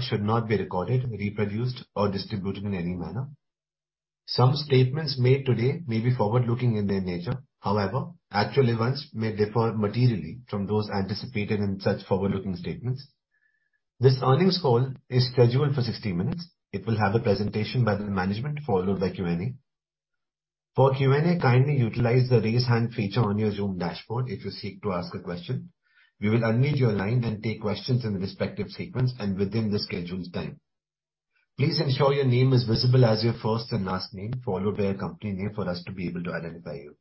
Should not be recorded, reproduced, or distributed in any manner. Some statements made today may be forward-looking in their nature. However, actual events may differ materially from those anticipated in such forward-looking statements. This earnings call is scheduled for 60 minutes. It will have a presentation by the management, followed by Q&A. For Q&A, kindly utilize the Raise Hand feature on your Zoom dashboard if you seek to ask a question. We will unmute your line and take questions in the respective sequence and within the scheduled time. Please ensure your name is visible as your first and last name, followed by your company name, for us to be able to identify you.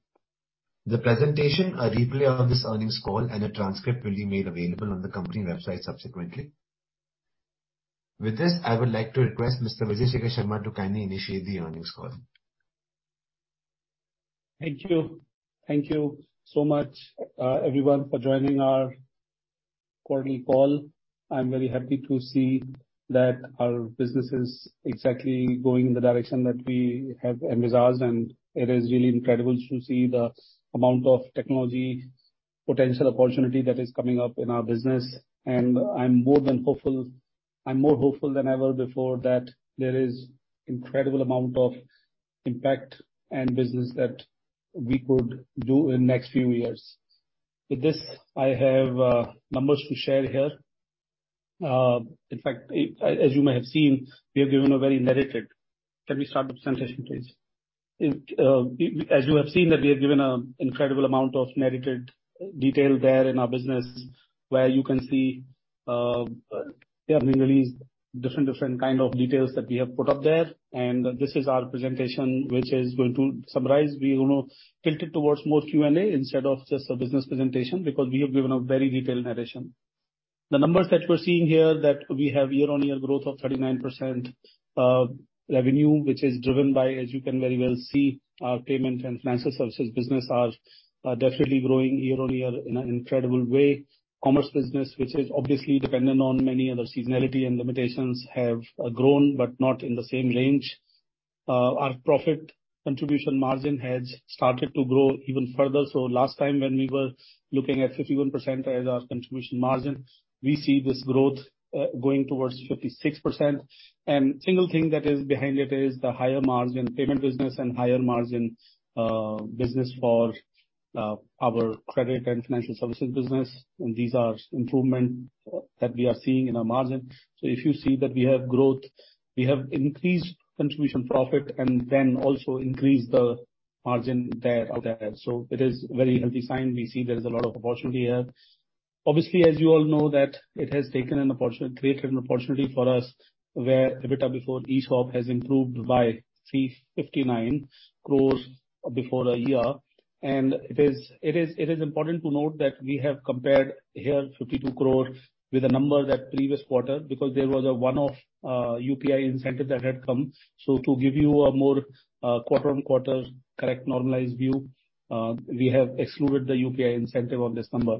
The presentation, a replay of this earnings call, and a transcript will be made available on the company website subsequently. With this, I would like to request Mr. Vijay Shekhar Sharma to kindly initiate the earnings call. Thank you. Thank you so much, everyone, for joining our quarterly call. I'm very happy to see that our business is exactly going in the direction that we have envisaged, and it is really incredible to see the amount of technology potential opportunity that is coming up in our business. I'm more hopeful than ever before that there is incredible amount of impact and business that we could do in next few years. With this, I have numbers to share here. In fact, as you may have seen, we have given a very narrated... Can we start the presentation, please? As you have seen, that we have given a incredible amount of narrated detail there in our business, where you can see, we have released different kind of details that we have put up there. This is our presentation, which is going to summarize. We, you know, tilt it towards more Q&A instead of just a business presentation, because we have given a very detailed narration. The numbers that we're seeing here, that we have year-on-year growth of 39%, revenue, which is driven by, as you can very well see, our payment and financial services business are definitely growing year-on-year in an incredible way. Commerce business, which is obviously dependent on many other seasonality and limitations, have grown, but not in the same range. Our profit contribution margin has started to grow even further. Last time, when we were looking at 51% as our contribution margin, we see this growth going towards 56%. Single thing that is behind it is the higher margin payment business and higher margin business for our credit and financial services business. These are improvement that we are seeing in our margin. If you see that we have growth, we have increased contribution profit and then also increased the margin there, out there. It is very healthy sign. We see there is a lot of opportunity here. Obviously, as you all know, that it has taken an opportunity, created an opportunity for us, where EBITDA before ESOP has improved by 359 crores before a year. It is important to note that we have compared here, 52 crores, with a number that previous quarter, because there was a one-off UPI incentive that had come. To give you a more quarter-on-quarter correct, normalized view, we have excluded the UPI incentive on this number.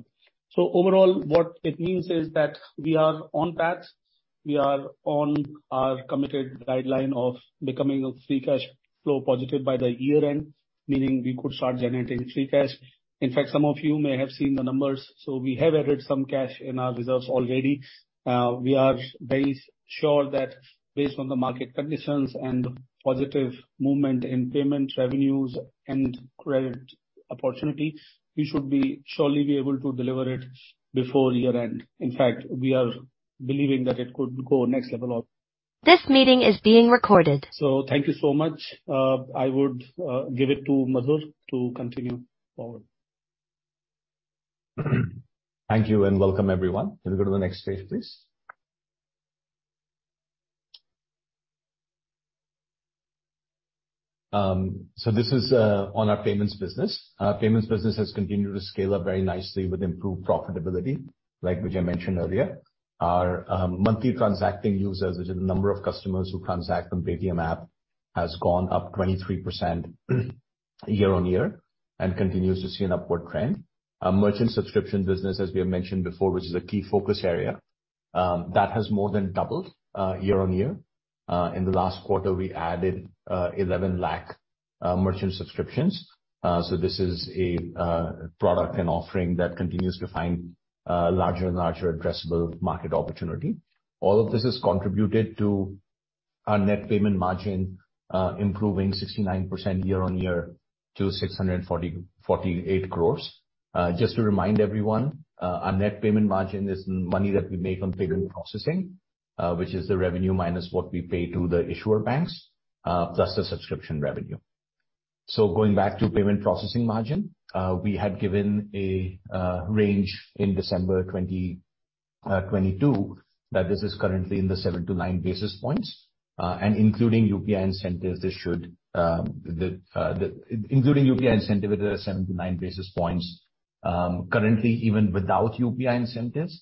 Overall, what it means is that we are on track. We are on our committed guideline of becoming a free cash flow positive by the year-end, meaning we could start generating free cash. Some of you may have seen the numbers, so we have added some cash in our reserves already. We are very sure that based on the market conditions and positive movement in payment revenues and credit opportunity, we should be, surely be able to deliver it before year-end. We are believing that it could go next level up. This meeting is being recorded. Thank you so much. I would give it to Madhur to continue forward. Thank you, welcome, everyone. Can we go to the next page, please? This is on our payments business. Our payments business has continued to scale up very nicely with improved profitability, like Vijay mentioned earlier. Our Monthly Transacting Users, which is the number of customers who transact on Paytm app, has gone up 23% year-on-year and continues to see an upward trend. Our merchant subscription business, as we have mentioned before, which is a key focus area, that has more than doubled year-on-year. In the last quarter, we added 11 lakh merchant subscriptions. This is a product and offering that continues to find larger and larger addressable market opportunity. All of this has contributed to our net payment margin, improving 69% year-on-year to 648 crores. Just to remind everyone, our net payment margin is money that we make on payment processing, which is the revenue minus what we pay to the issuer banks, plus the subscription revenue. Going back to payment processing margin, we had given a range in December 2022, that this is currently in the 7 to 9 basis points. And including UPI incentives, it is 7 to 9 basis points. Currently, even without UPI incentives,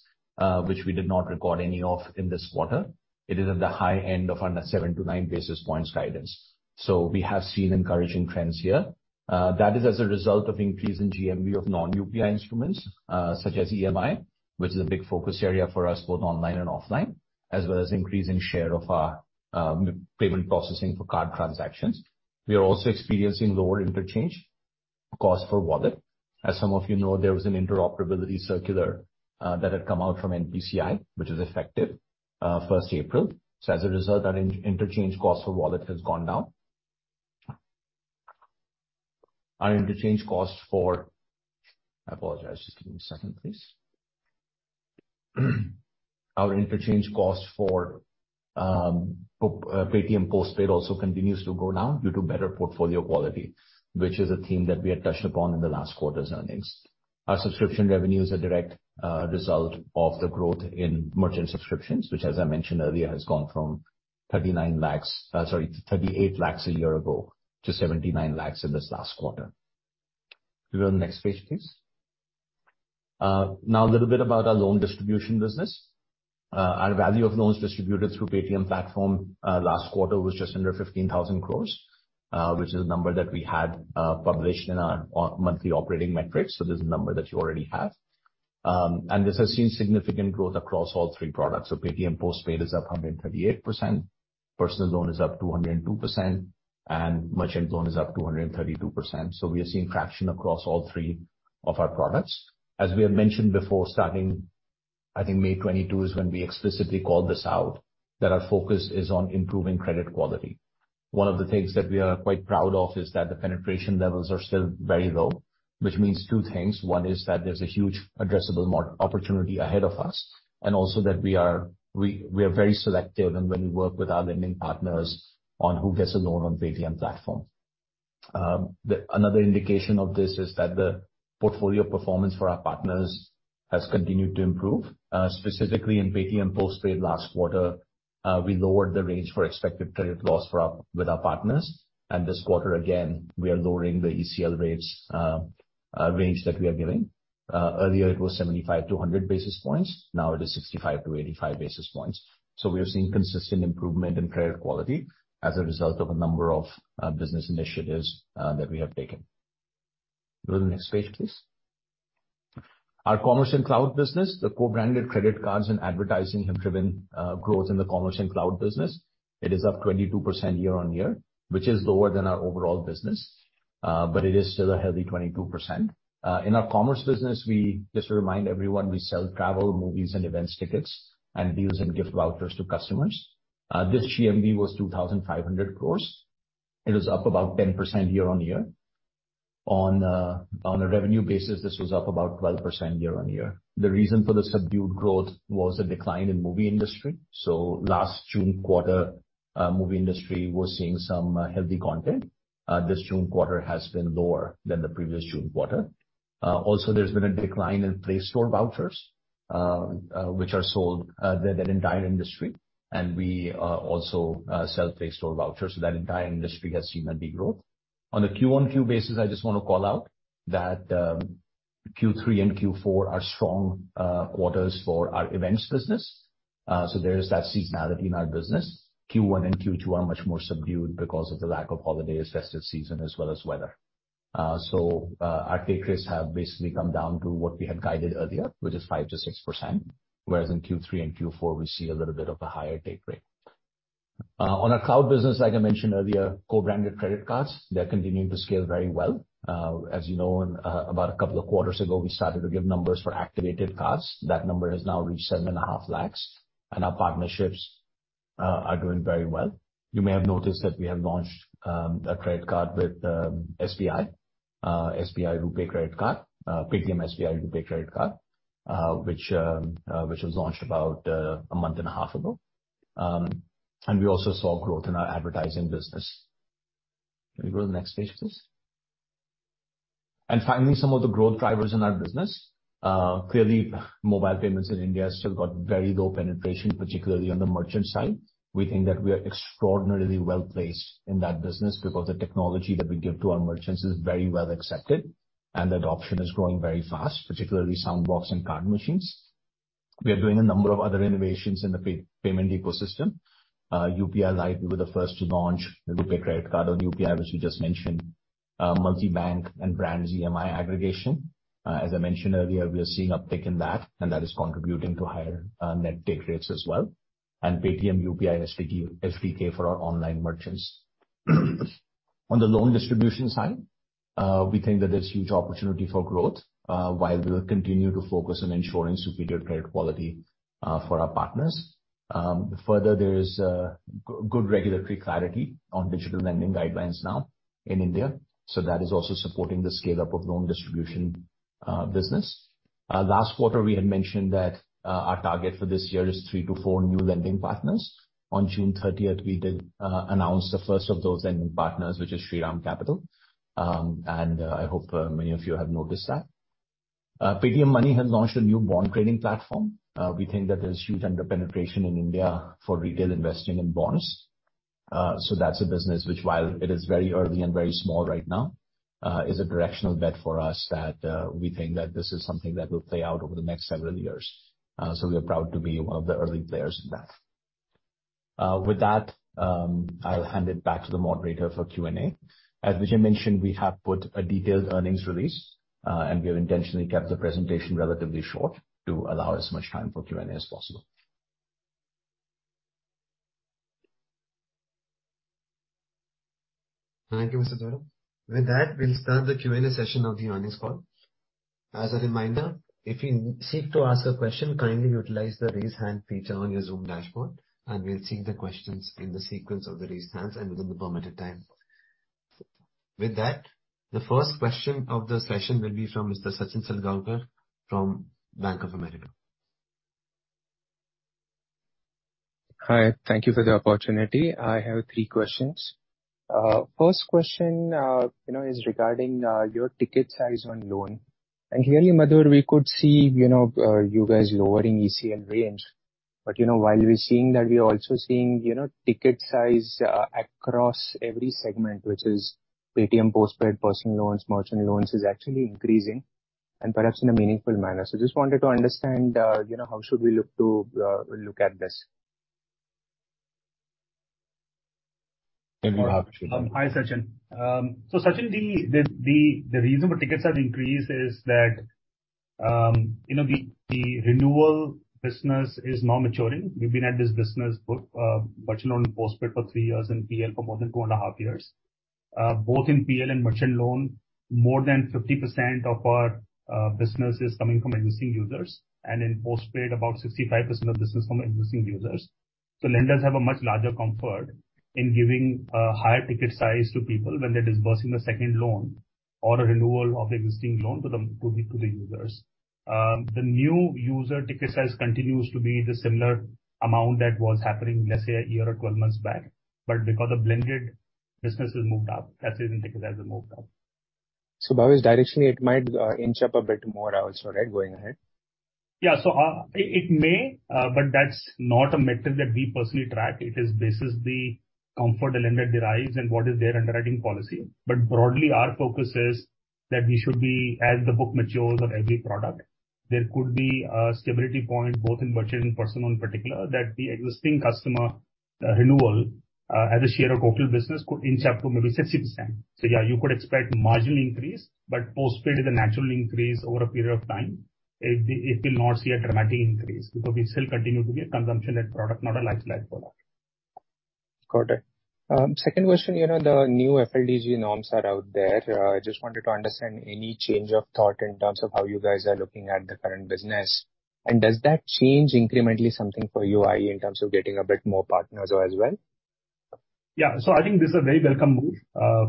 which we did not record any of in this quarter, it is at the high end of our 7 to 9 basis points guidance. We have seen encouraging trends here. That is as a result of increase in GMV of non-UPI instruments, such as EMI, which is a big focus area for us, both online and offline, as well as increasing share of our payment processing for card transactions. We are also experiencing lower interchange cost per wallet. As some of you know, there was an interoperability circular that had come out from NPCI, which is effective first April. As a result, our interchange cost for wallet has gone down. Our interchange costs for Paytm Postpaid also continues to go down due to better portfolio quality, which is a theme that we had touched upon in the last quarter's earnings. Our subscription revenue is a direct result of the growth in merchant subscriptions, which, as I mentioned earlier, has gone from 39 lakhs, sorry, 38 lakhs a year ago, to 79 lakhs in this last quarter. Go to the next page, please. Now a little bit about our loan distribution business. Our value of loans distributed through Paytm platform last quarter was just under 15,000 crores, which is a number that we had published in our monthly operating metrics. This is a number that you already have. This has seen significant growth across all three products. Paytm Postpaid is up 138%, personal loan is up 202%, and merchant loan is up 232%. We are seeing traction across all three of our products. As we have mentioned before, starting I think May 22, is when we explicitly called this out, that our focus is on improving credit quality. One of the things that we are quite proud of is that the penetration levels are still very low, which means two things. One is that there's a huge addressable market opportunity ahead of us, and also that we are, we are very selective in when we work with our lending partners on who gets a loan on Paytm platform. Another indication of this is that the portfolio performance for our partners has continued to improve. Specifically in Paytm Postpaid last quarter, we lowered the range for expected credit loss for our, with our partners, and this quarter, again, we are lowering the ECL rates, range that we are giving. Earlier it was 75-100 basis points, now it is 65-85 basis points. We are seeing consistent improvement in credit quality as a result of a number of business initiatives that we have taken. Go to the next page, please. Our commerce and cloud business, the co-branded credit cards and advertising have driven growth in the commerce and cloud business. It is up 22% year-on-year, which is lower than our overall business, but it is still a healthy 22%. In our commerce business, we just remind everyone, we sell travel, movies and events tickets, and deals and gift vouchers to customers. This GMV was 2,500 crores. It was up about 10% year-on-year. On a revenue basis, this was up about 12% year-on-year. The reason for the subdued growth was a decline in movie industry. Last June quarter, movie industry was seeing some healthy content. This June quarter has been lower than the previous June quarter. Also, there's been a decline in Play Store vouchers, which are sold, that entire industry, and we also sell Play Store vouchers. That entire industry has seen a big growth. On a Q-on-Q basis, I just want to call out that Q3 and Q4 are strong quarters for our events business. There is that seasonality in our business. Q1 and Q2 are much more subdued because of the lack of holidays, festive season, as well as weather. Our take rates have basically come down to what we had guided earlier, which is 5%-6%, whereas in Q3 and Q4, we see a little bit of a higher take rate. On our cloud business, like I mentioned earlier, co-branded credit cards, they're continuing to scale very well. As you know, and about a couple of quarters ago, we started to give numbers for activated cards. That number has now reached 7.5 lakhs, and our partnerships are doing very well. You may have noticed that we have launched a credit card with SBI RuPay credit card, Paytm SBI RuPay credit card, which was launched about a month and a half ago. We also saw growth in our advertising business. Can we go to the next page, please? Finally, some of the growth drivers in our business. Clearly, mobile payments in India has still got very low penetration, particularly on the merchant side. We think that we are extraordinarily well-placed in that business, because the technology that we give to our merchants is very well accepted, and adoption is growing very fast, particularly Soundbox and card machines. We are doing a number of other innovations in the payment ecosystem. UPI Lite, we were the first to launch the RuPay credit card on UPI, which we just mentioned. Multi-bank and brand EMI aggregation. As I mentioned earlier, we are seeing uptick in that, and that is contributing to higher, net take rates as well, and Paytm UPI SDK for our online merchants. On the loan distribution side, we think that there's huge opportunity for growth, while we will continue to focus on ensuring superior credit quality for our partners. Further, there is good regulatory clarity on Digital Lending Guidelines now in India, that is also supporting the scale-up of loan distribution business. Last quarter, we had mentioned that our target for this year is three to four new lending partners. On June 30th, we did announce the first of those lending partners, which is Shriram Finance. I hope many of you have noticed that. Paytm Money has launched a new bond trading platform. We think that there's huge under-penetration in India for retail investing in bonds. That's a business which, while it is very early and very small right now, is a directional bet for us that we think that this is something that will play out over the next several years. We are proud to be one of the early players in that. With that, I'll hand it back to the moderator for Q&A. As Vijay mentioned, we have put a detailed earnings release, and we have intentionally kept the presentation relatively short to allow as much time for Q&A as possible. Thank you, Mr. Deora. With that, we'll start the Q&A session of the earnings call. As a reminder, if you seek to ask a question, kindly utilize the Raise Hand feature on your Zoom dashboard, and we'll take the questions in the sequence of the raised hands and within the permitted time. With that, the first question of the session will be from Mr. Sachin Salgaonkar from Bank of America. Hi, thank you for the opportunity. I have three questions. First question, you know, is regarding your ticket size on loan. Here in Madhur, we could see, you know, you guys lowering ECL range. You know, while we're seeing that, we are also seeing, you know, ticket size across every segment, which is Paytm Postpaid personal loans, merchant loans, is actually increasing and perhaps in a meaningful manner. Just wanted to understand, you know, how should we look to look at this? Thank you. Hi, Sachin. Sachin, the reason why ticket size increased is that, you know, the renewal business is now maturing. We've been at this business for merchant loan and Postpaid for three years, and PL for more than two and a half years. Both in PL and merchant loan, more than 50% of our business is coming from existing users, and in Postpaid, about 65% of business from existing users. Lenders have a much larger comfort in giving higher ticket size to people when they're disbursing the second loan or a renewal of existing loan to the users. The new user ticket size continues to be the similar amount that was happening, let's say, a year or 12 months back. Because the blended business has moved up, that's the reason ticket size has moved up. Bhavesh, directionally, it might inch up a bit more also, right, going ahead? Yeah. It may, but that's not a metric that we personally track. It is basis the comfort the lender derives and what is their underwriting policy. Broadly, our focus is that we should be, as the book matures on every product, there could be a stability point, both in merchant and personal in particular, that the existing customer, renewal, as a share of total business could inch up to maybe 60%. Yeah, you could expect margin increase, but Postpaid is a natural increase over a period of time. It will not see a dramatic increase, because we still continue to be a consumption-led product, not a lifestyle product. Got it. Second question, you know, the new FLDG norms are out there. Just wanted to understand any change of thought in terms of how you guys are looking at the current business. Does that change incrementally something for you, in terms of getting a bit more partners as well? Yeah. I think this is a very welcome move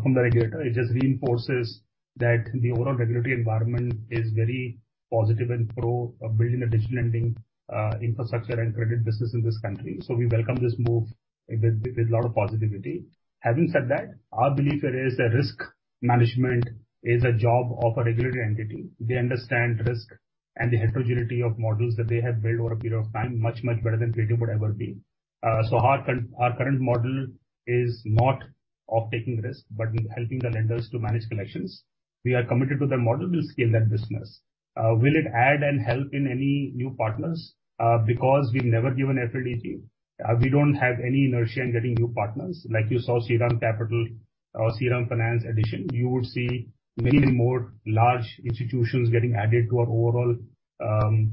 from the regulator. It just reinforces that the overall regulatory environment is very positive and pro building a digital lending infrastructure and credit business in this country. We welcome this move with a lot of positivity. Having said that, our belief is that risk management is a job of a regulatory entity. They understand risk and the heterogeneity of models that they have built over a period of time, much, much better than Paytm would ever be. Our current model is not off taking risk, but helping the lenders to manage collections. We are committed to that model. We'll scale that business. Will it add and help in any new partners? Because we've never given FLDG, we don't have any inertia in getting new partners. Like you saw Shriram Finance or Shriram Finance addition, you would see many more large institutions getting added to our overall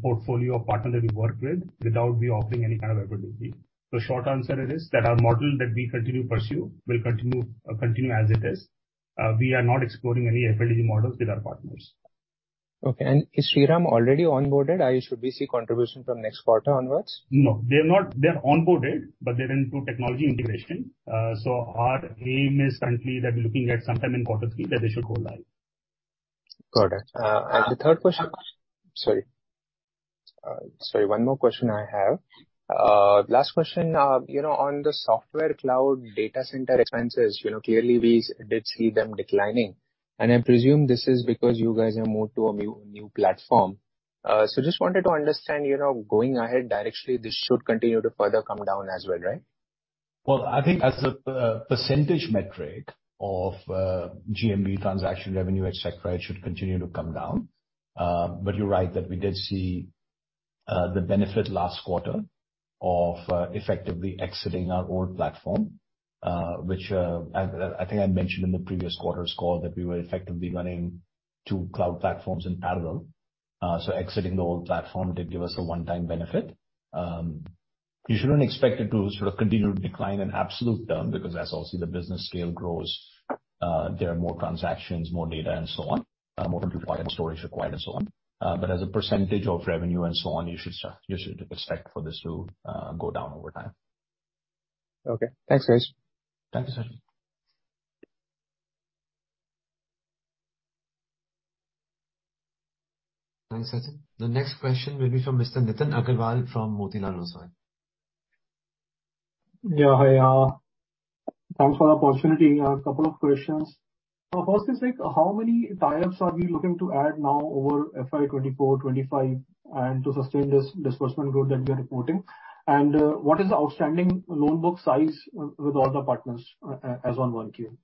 portfolio of partner that we work with, without we offering any kind of FLDG. The short answer is, that our model that we continue to pursue will continue as it is. We are not exploring any FLDG models with our partners. Okay. Is Shriram already onboarded, or should we see contribution from next quarter onwards? No, they're not. They're onboarded, but they're into technology integration. Our aim is currently that we're looking at some time in quarter three, that they should go live. Got it. Last question, you know, on the software cloud data center expenses, you know, clearly we did see them declining, and I presume this is because you guys have moved to a new platform. Just wanted to understand, you know, going ahead, directionally, this should continue to further come down as well, right? Well, I think as a percentage metric of GMV transaction revenue, et cetera, it should continue to come down. You're right that we did see the benefit last quarter of effectively exiting our old platform, which I think I mentioned in the previous quarter's call, that we were effectively running two cloud platforms in parallel. Exiting the old platform did give us a one-time benefit. You shouldn't expect it to sort of continue to decline in absolute terms, because as obviously the business scale grows, there are more transactions, more data, and so on, more computer storage required and so on. As a percentage of revenue and so on, you should start, you should expect for this to go down over time. Okay. Thanks, guys. Thank you, Sachin. Thanks, Sachin. The next question will be from Mr. Nitin Aggarwal from Motilal Oswal. Yeah, hi, thanks for the opportunity. A couple of questions. First is, like, how many tie-ups are we looking to add now over FY 2024, FY 2025, and to sustain this disbursement growth that we are reporting? What is the outstanding loan book size with all the partners, as on 1Q?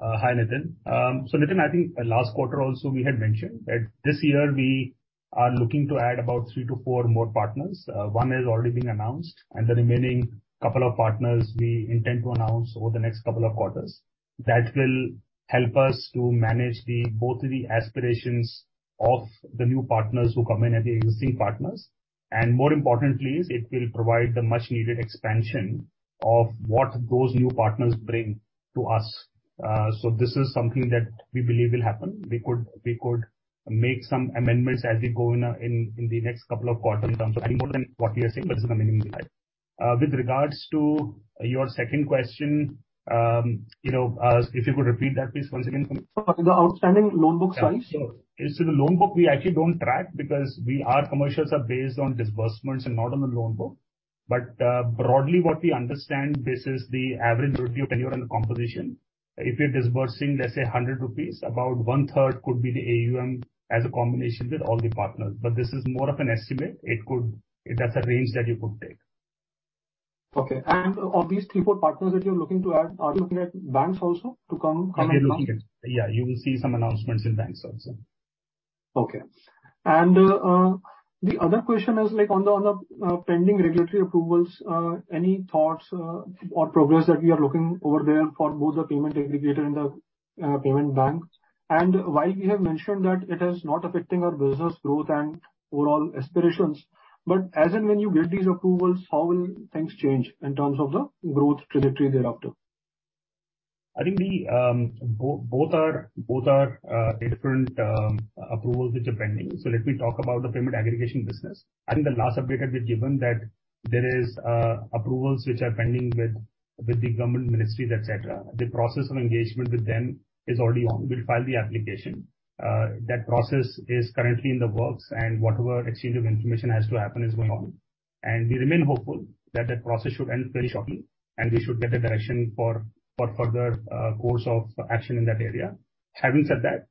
Hi, Nitin. Nitin, I think last quarter also, we had mentioned that this year we are looking to add about three to four more partners. One has already been announced, and the remaining couple of partners we intend to announce over the next couple of quarters. That will help us to manage the, both the aspirations of the new partners who come in, and the existing partners. More importantly, it will provide the much needed expansion of what those new partners bring to us. This is something that we believe will happen. We could make some amendments as we go in the next couple of quarters in terms of any more than what we are saying, but it's a minimum requirement. With regards to your second question, you know, if you could repeat that please once again for me? The outstanding loan book size. The loan book, we actually don't track because we, our commercials are based on disbursements and not on the loan book. Broadly, what we understand, this is the average review tenure and the composition. If you're disbursing, let's say, 100 rupees, about one third could be the AUM as a combination with all the partners, but this is more of an estimate. That's a range that you could take. Okay. Of these three, four partners that you're looking to add, are you looking at banks also to come in? Yeah, you will see some announcements in banks also. Okay. The other question is like on the pending regulatory approvals, any thoughts or progress that we are looking over there for both the payment aggregator and the payment bank? While you have mentioned that it is not affecting our business growth and overall aspirations, but as and when you get these approvals, how will things change in terms of the growth trajectory thereafter? I think the both are different approvals which are pending. Let me talk about the payment aggregation business. I think the last update that we've given that there is approvals which are pending with the government ministries, et cetera. The process of engagement with them is already on. We've filed the application. That process is currently in the works, and whatever exchange of information has to happen is going on. We remain hopeful that the process should end very shortly, and we should get a direction for further course of action in that area. Having said that,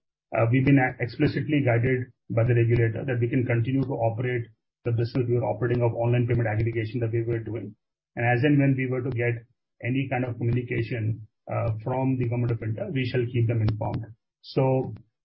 we've been explicitly guided by the regulator that we can continue to operate the business we were operating of online payment aggregation that we were doing. As and when we were to get any kind of communication from the government printer, we shall keep them informed.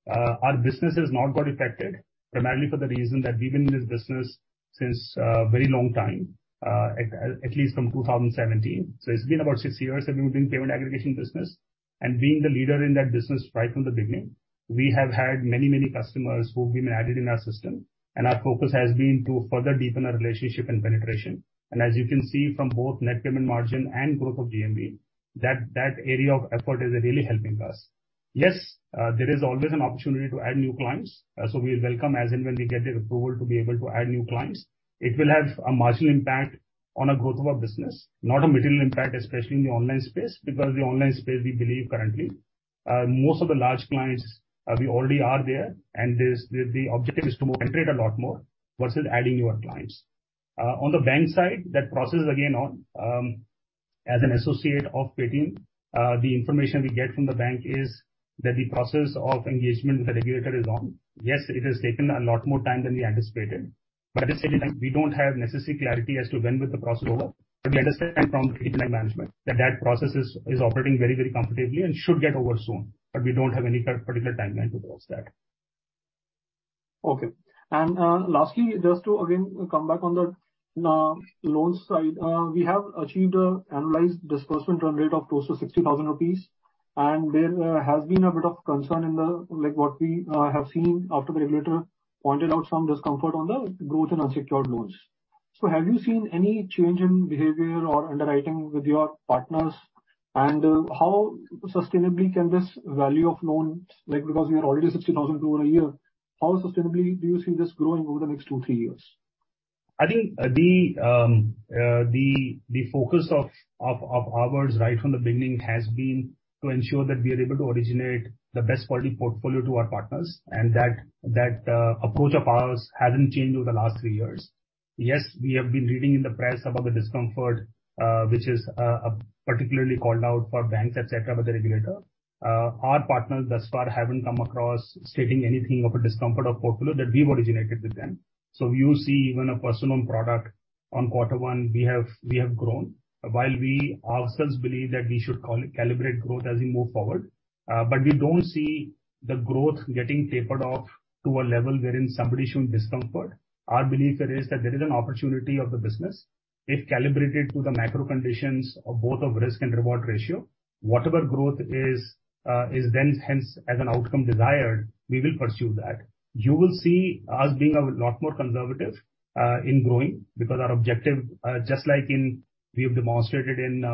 Our business has not got affected, primarily for the reason that we've been in this business since a very long time, at least from 2017. It's been about six years that we've been payment aggregation business and being the leader in that business right from the beginning, we have had many customers who've been added in our system, and our focus has been to further deepen our relationship and penetration. As you can see from both net payment margin and growth of GMV, that area of effort is really helping us. Yes, there is always an opportunity to add new clients, we welcome as and when we get the approval to be able to add new clients. It will have a marginal impact on the growth of our business, not a material impact, especially in the online space, because the online space, we believe currently, most of the large clients, we already are there, and the objective is to penetrate a lot more versus adding newer clients. On the bank side, that process is again on, as an associate of Paytm, the information we get from the bank is that the process of engagement with the regulator is on. Yes, it has taken a lot more time than we anticipated, at the same time, we don't have necessary clarity as to when with the process is over. We understand from management that that process is operating very comfortably and should get over soon, but we don't have any particular timeline to cross that. Okay. Lastly, just to, again, come back on the loan side. We have achieved a annualized disbursement run rate of close to 60,000 rupees, and there has been a bit of concern in the what we have seen after the regulator pointed out some discomfort on the growth in unsecured loans. Have you seen any change in behavior or underwriting with your partners? How sustainably can this value of loans, because you're already 60,000 over a year, how sustainably do you see this growing over the next two, three years? I think the focus of ours right from the beginning has been to ensure that we are able to originate the best quality portfolio to our partners, and that approach of ours hasn't changed over the last three years. Yes, we have been reading in the press about the discomfort which is particularly called out for banks, et cetera, by the regulator. Our partners thus far haven't come across stating anything of a discomfort of portfolio that we've originated with them. You see even a personal product on quarter one, we have grown. While we ourselves believe that we should calibrate growth as we move forward, but we don't see the growth getting tapered off to a level wherein somebody showing discomfort. Our belief is that there is an opportunity of the business if calibrated to the macro conditions of both of risk and reward ratio, whatever growth is then hence, as an outcome desired, we will pursue that. You will see us being a lot more conservative in growing, because our objective, just like in we have demonstrated in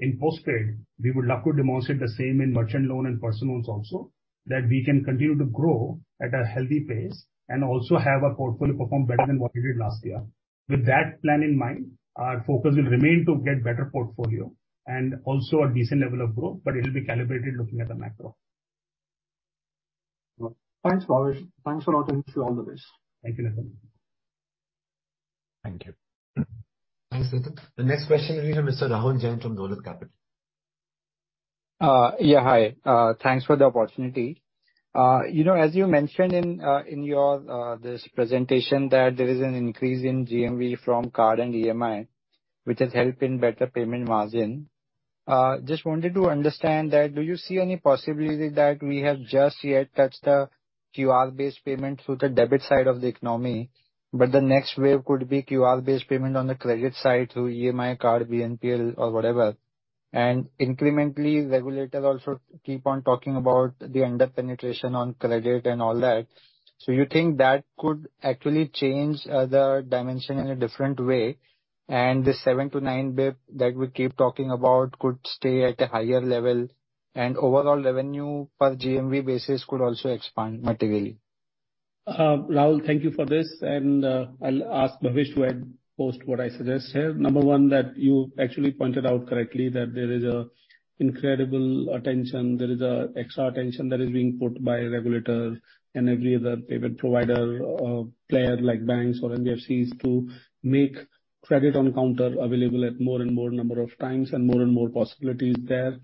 in postpaid, we would love to demonstrate the same in merchant loan and personal loans also, that we can continue to grow at a healthy pace and also have our portfolio perform better than what we did last year. With that plan in mind, our focus will remain to get better portfolio and also a decent level of growth, but it will be calibrated looking at the macro. Thanks, Manish. Thanks a lot for all this. Thank you, Nitin. Thank you. Thanks, Nitin. The next question will be from Mr. Rahul Jain from Dolat Capital. Yeah, hi. Thanks for the opportunity. You know, as you mentioned in your this presentation, that there is an increase in GMV from card and EMI, which is helping better payment margin. Just wanted to understand that, do you see any possibility that we have just yet touched the QR-based payment through the debit side of the economy, but the next wave could be QR-based payment on the credit side through EMI, card, BNPL or whatever? Incrementally, regulators also keep on talking about the under-penetration on credit and all that. You think that could actually change the dimension in a different way, and the 7-9 BP that we keep talking about could stay at a higher level, and overall revenue per GMV basis could also expand materially? Rahul, thank you for this. I'll ask Bhavesh to add post what I suggest here. Number one, that you actually pointed out correctly that there is a incredible attention, there is a extra attention that is being put by regulators and every other payment provider, or player, like banks or NBFCs, to make credit on counter available at more and more number of times and more and more possibilities there,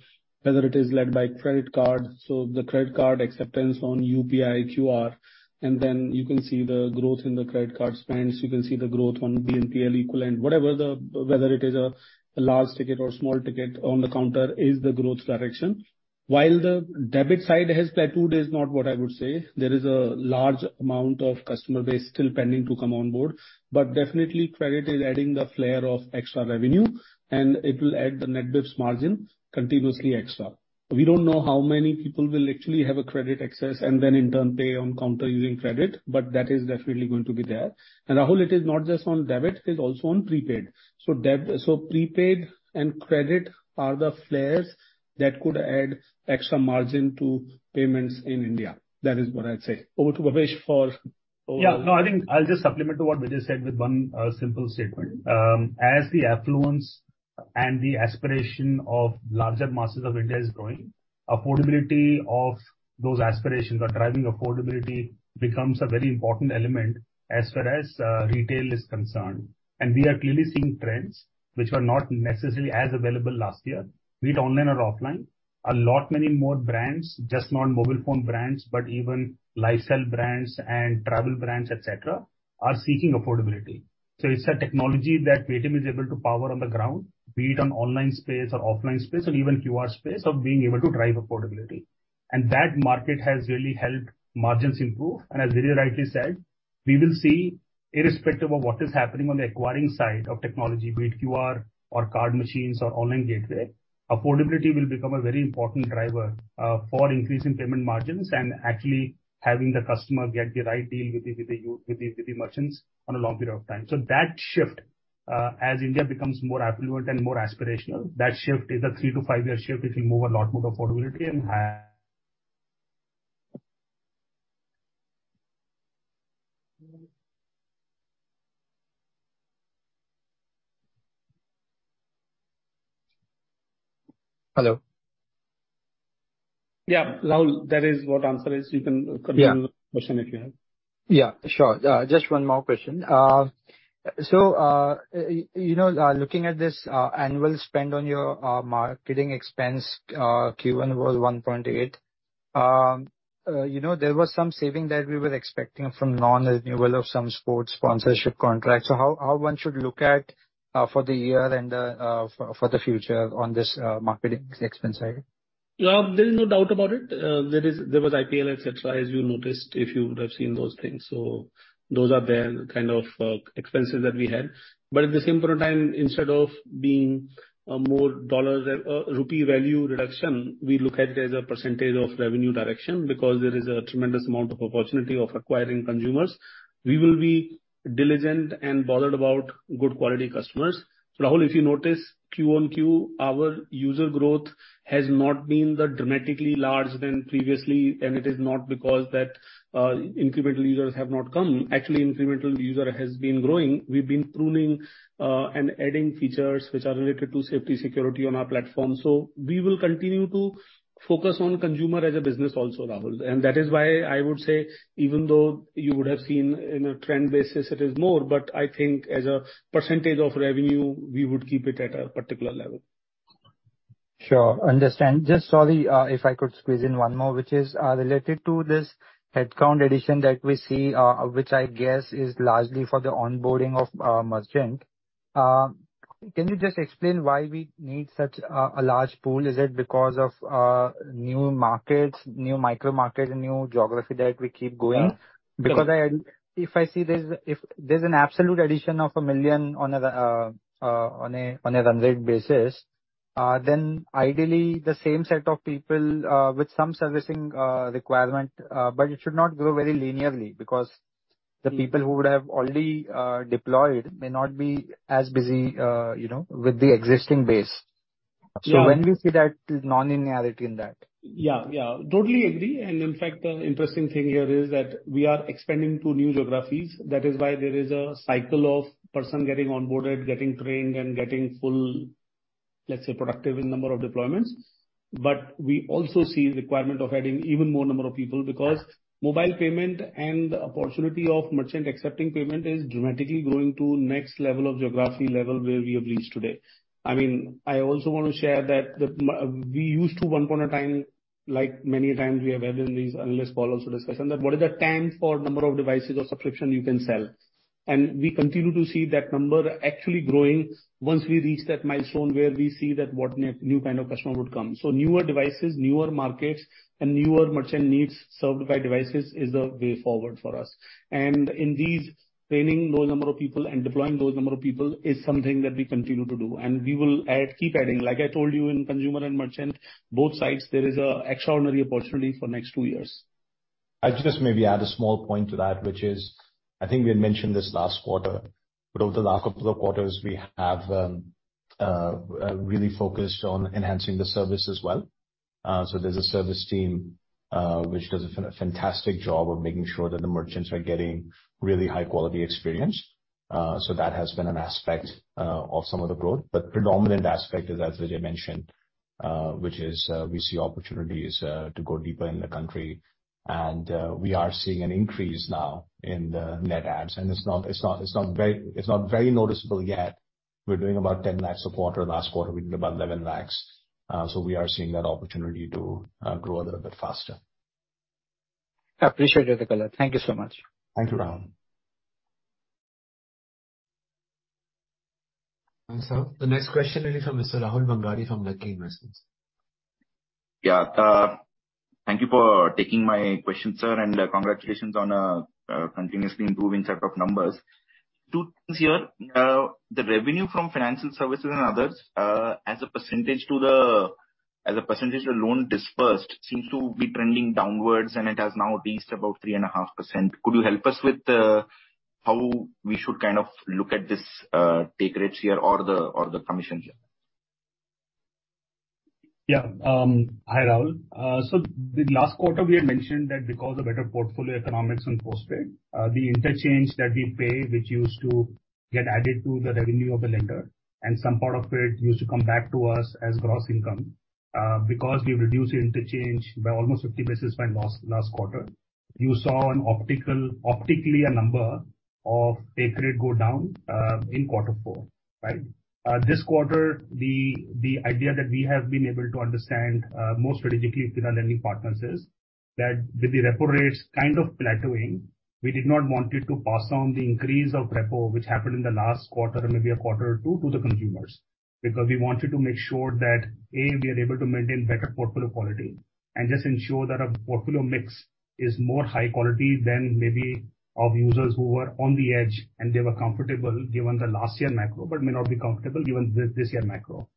whether it is led by credit card, so the credit card acceptance on UPI QR, and then you can see the growth in the credit card spends, you can see the growth on BNPL equivalent. Whether it is a large ticket or small ticket, on the counter is the growth direction. While the debit side has plateaued is not what I would say. There is a large amount of customer base still pending to come on board, but definitely credit is adding the flair of extra revenue, and it will add the net basis points margin continuously extra. We don't know how many people will actually have a credit access and then in turn, pay on counter using credit, but that is definitely going to be there. Rahul, it is not just on debit, it is also on prepaid. Debit, prepaid and credit are the flares that could add extra margin to payments in India. That is what I'd say. Over to Bhavesh for- No, I think I'll just supplement to what Vijay said with one simple statement. As the affluence and the aspiration of larger masses of India is growing, affordability of those aspirations or driving affordability becomes a very important element as far as retail is concerned. We are clearly seeing trends which were not necessarily as available last year, be it online or offline. A lot many more brands, just not mobile phone brands, but even lifestyle brands and travel brands, et cetera, are seeking affordability. It's a technology that Paytm is able to power on the ground, be it on online space or offline space, or even QR space, of being able to drive affordability. That market has really helped margins improve. As Vijay rightly said, we will see, irrespective of what is happening on the acquiring side of technology, be it QR or card machines or online gateway, affordability will become a very important driver for increasing payment margins, and actually having the customer get the right deal with the merchants on a long period of time. That shift as India becomes more affluent and more aspirational, that shift is a three-five-year shift, it will move a lot more affordability and higher... Hello? Yeah, Rahul, that is what answer is. Yeah. Continue with the question if you have. Yeah, sure. Just one more question. You know, looking at this annual spend on your marketing expense, Q1 was 1.8. You know, there was some saving that we were expecting from non-renewal of some sports sponsorship contracts. How one should look at for the year and for the future on this marketing expense side? Yeah, there is no doubt about it. There was IPL, et cetera, as you noticed, if you would have seen those things. Those are there, kind of, expenses that we had. At the same point of time, instead of being, more dollars, rupee value reduction, we look at it as a percent of revenue direction, because there is a tremendous amount of opportunity of acquiring consumers. We will be diligent and bothered about good quality customers. Rahul, if you notice, QoQ, our user growth has not been that dramatically large than previously, and it is not because that, incremental users have not come. Actually, incremental user has been growing. We've been pruning, and adding features which are related to safety, security on our platform. We will continue to focus on consumer as a business also, Rahul. That is why I would say even though you would have seen in a trend basis, it is more, but I think as a percentage of revenue, we would keep it at a particular level. Sure, understand. Just sorry, if I could squeeze in one more, which is related to this headcount addition that we see, which I guess is largely for the onboarding of merchant. Can you just explain why we need such a large pool? Is it because of new markets, new micro markets, and new geography that we keep going? Yeah. If I see there's an absolute addition of 1 million on a run rate basis, ideally the same set of people with some servicing requirement, it should not grow very linearly, because the people who would have already deployed may not be as busy, you know, with the existing base. Yeah. When do you see that non-linearity in that? Yeah, yeah. Totally agree. In fact, the interesting thing here is that we are expanding to new geographies. That is why there is a cycle of person getting onboarded, getting trained, and getting full, let's say, productive in number of deployments. We also see requirement of adding even more number of people, because mobile payment and the opportunity of merchant accepting payment is dramatically going to next level of geography level where we have reached today. I mean, I also want to share that the we used to, one point of time, like many a times we have had in these analyst calls also discussion, that what is the time for number of devices or subscription you can sell? We continue to see that number actually growing once we reach that milestone where we see that what new kind of customer would come. Newer devices, newer markets, and newer merchant needs served by devices is the way forward for us. In these, training those number of people and deploying those number of people is something that we continue to do. We will add, keep adding, like I told you, in consumer and merchant, both sides, there is a extraordinary opportunity for next two years.... I'll just maybe add a small point to that, which is, I think we had mentioned this last quarter, but over the last couple of quarters, we have really focused on enhancing the service as well. There's a service team which does a fantastic job of making sure that the merchants are getting really high quality experience. That has been an aspect of some of the growth. Predominant aspect is, as Vijay mentioned, which is, we see opportunities to go deeper in the country, and we are seeing an increase now in the net adds. It's not very noticeable yet. We're doing about 10 lakhs a quarter. Last quarter, we did about 11 lakhs. We are seeing that opportunity to grow a little bit faster. I appreciate it, all the color. Thank you so much. Thank you, Rahul. Sir, the next question is from Mr. Rahul Bhangadia, from Lucky Investments. Yeah. Thank you for taking my question, sir, and congratulations on continuously improving set of numbers. Two things here. The revenue from financial services and others, as a percentage to the, as a percentage of loan dispersed, seems to be trending downwards, and it has now reached about 3.5%. Could you help us with how we should kind of look at this take rates here or the, or the commissions here? Hi, Rahul. The last quarter we had mentioned that because of better portfolio economics and Postpaid, the interchange that we pay, which used to get added to the revenue of the lender, and some part of it used to come back to us as gross income. Because we've reduced the interchange by almost 50 basis points last quarter, you saw an optically a number of take rate go down in quarter four, right? This quarter, the idea that we have been able to understand more strategically with our lending partners is that with the repo rates kind of plateauing, we did not want it to pass on the increase of repo, which happened in the last quarter and maybe a quarter or two to the consumers. We wanted to make sure that, A, we are able to maintain better portfolio quality, and just ensure that our portfolio mix is more high quality than maybe of users who were on the edge, and they were comfortable given the last year macro, but may not be comfortable given this year macro.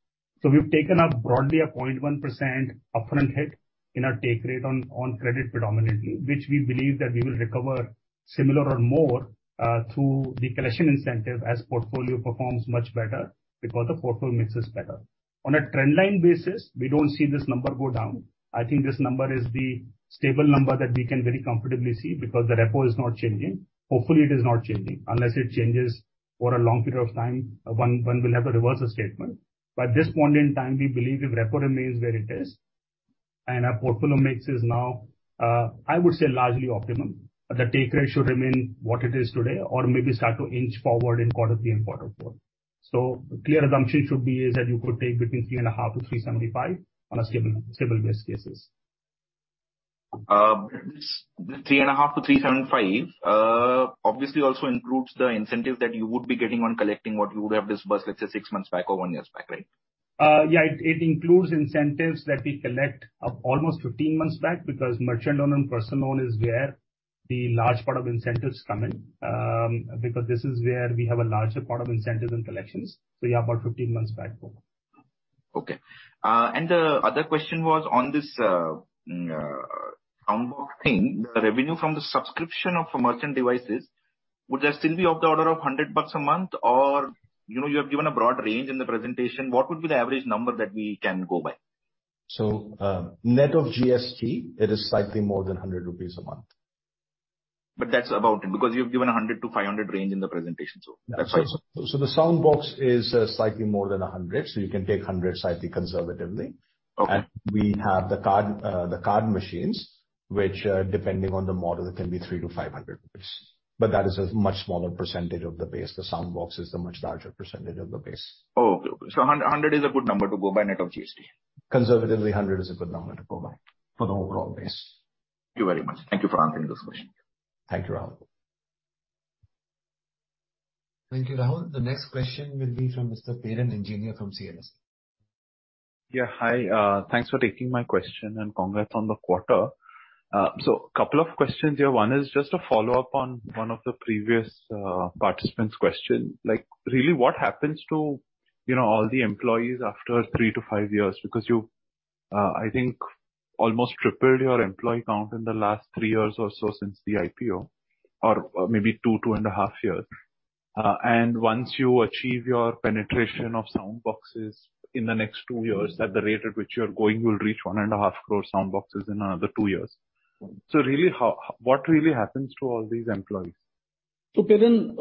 We've taken a broadly a 0.1% upfront hit in our take rate on credit predominantly, which we believe that we will recover similar or more through the collection incentive as portfolio performs much better because the portfolio mix is better. On a trend line basis, we don't see this number go down. I think this number is the stable number that we can very comfortably see because the repo is not changing. Hopefully, it is not changing. Unless it changes for a long period of time, one will have to reverse the statement. This point in time, we believe if repo remains where it is, and our portfolio mix is now, I would say largely optimum, the take rate should remain what it is today or maybe start to inch forward in quarter three and quarter four. Clear assumption should be is that you could take between 3.5%-3.75% on a stable base cases. 3.5%-3.75% obviously also includes the incentive that you would be getting on collecting what you would have disbursed, let's say, six months back or one years back, right? Yeah, it includes incentives that we collect of almost 15 months back, because merchant loan and personal loan is where the large part of incentives come in, because this is where we have a larger part of incentives and collections. Yeah, about 15 months back for them. Okay. The other question was on this, Soundbox thing. The revenue from the subscription of merchant devices, would that still be of the order of INR 100 a month? You know, you have given a broad range in the presentation. What would be the average number that we can go by? Net of GST, it is slightly more than 100 rupees a month. That's about it, because you've given a 100-500 range in the presentation, so that's why. The Soundbox is slightly more than 100, so you can take 100 slightly conservatively. Okay. We have the card, the card machines, which depending on the model, it can be 300-500 rupees. That is a much smaller percentage of the base. The Soundbox is a much larger percentage of the base. Okay. 100 is a good number to go by net of GST? Conservatively, 100 is a good number to go by for the overall base. Thank you very much. Thank you for answering this question. Thank you, Rahul. Thank you, Rahul. The next question will be from Mr. Perin Engineer from CNS. Yeah, hi. Thanks for taking my question, and congrats on the quarter. Couple of questions here. One is just a follow-up on one of the previous participant's question. Like, really, what happens to, you know, all the employees after three-five years? Because you, I think, almost tripled your employee count in the last three years or so since the IPO, or maybe two and a half years. Once you achieve your penetration of Soundboxes in the next two years, at the rate at which you're going, you will reach 1.5 crore Soundboxes in another two years. Really, what really happens to all these employees? Perin,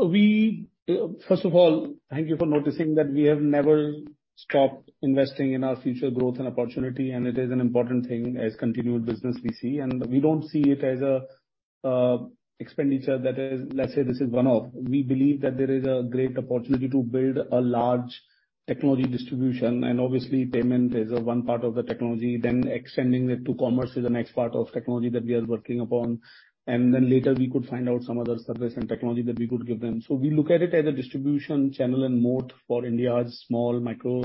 first of all, thank you for noticing that we have never stopped investing in our future growth and opportunity. It is an important thing as continued business we see, and we don't see it as an expenditure that is, let's say this is one-off. We believe that there is a great opportunity to build a large technology distribution. Obviously payment is one part of the technology, then extending it to commerce is the next part of technology that we are working upon. Later we could find out some other service and technology that we could give them. We look at it as a distribution channel and moat for India's small micro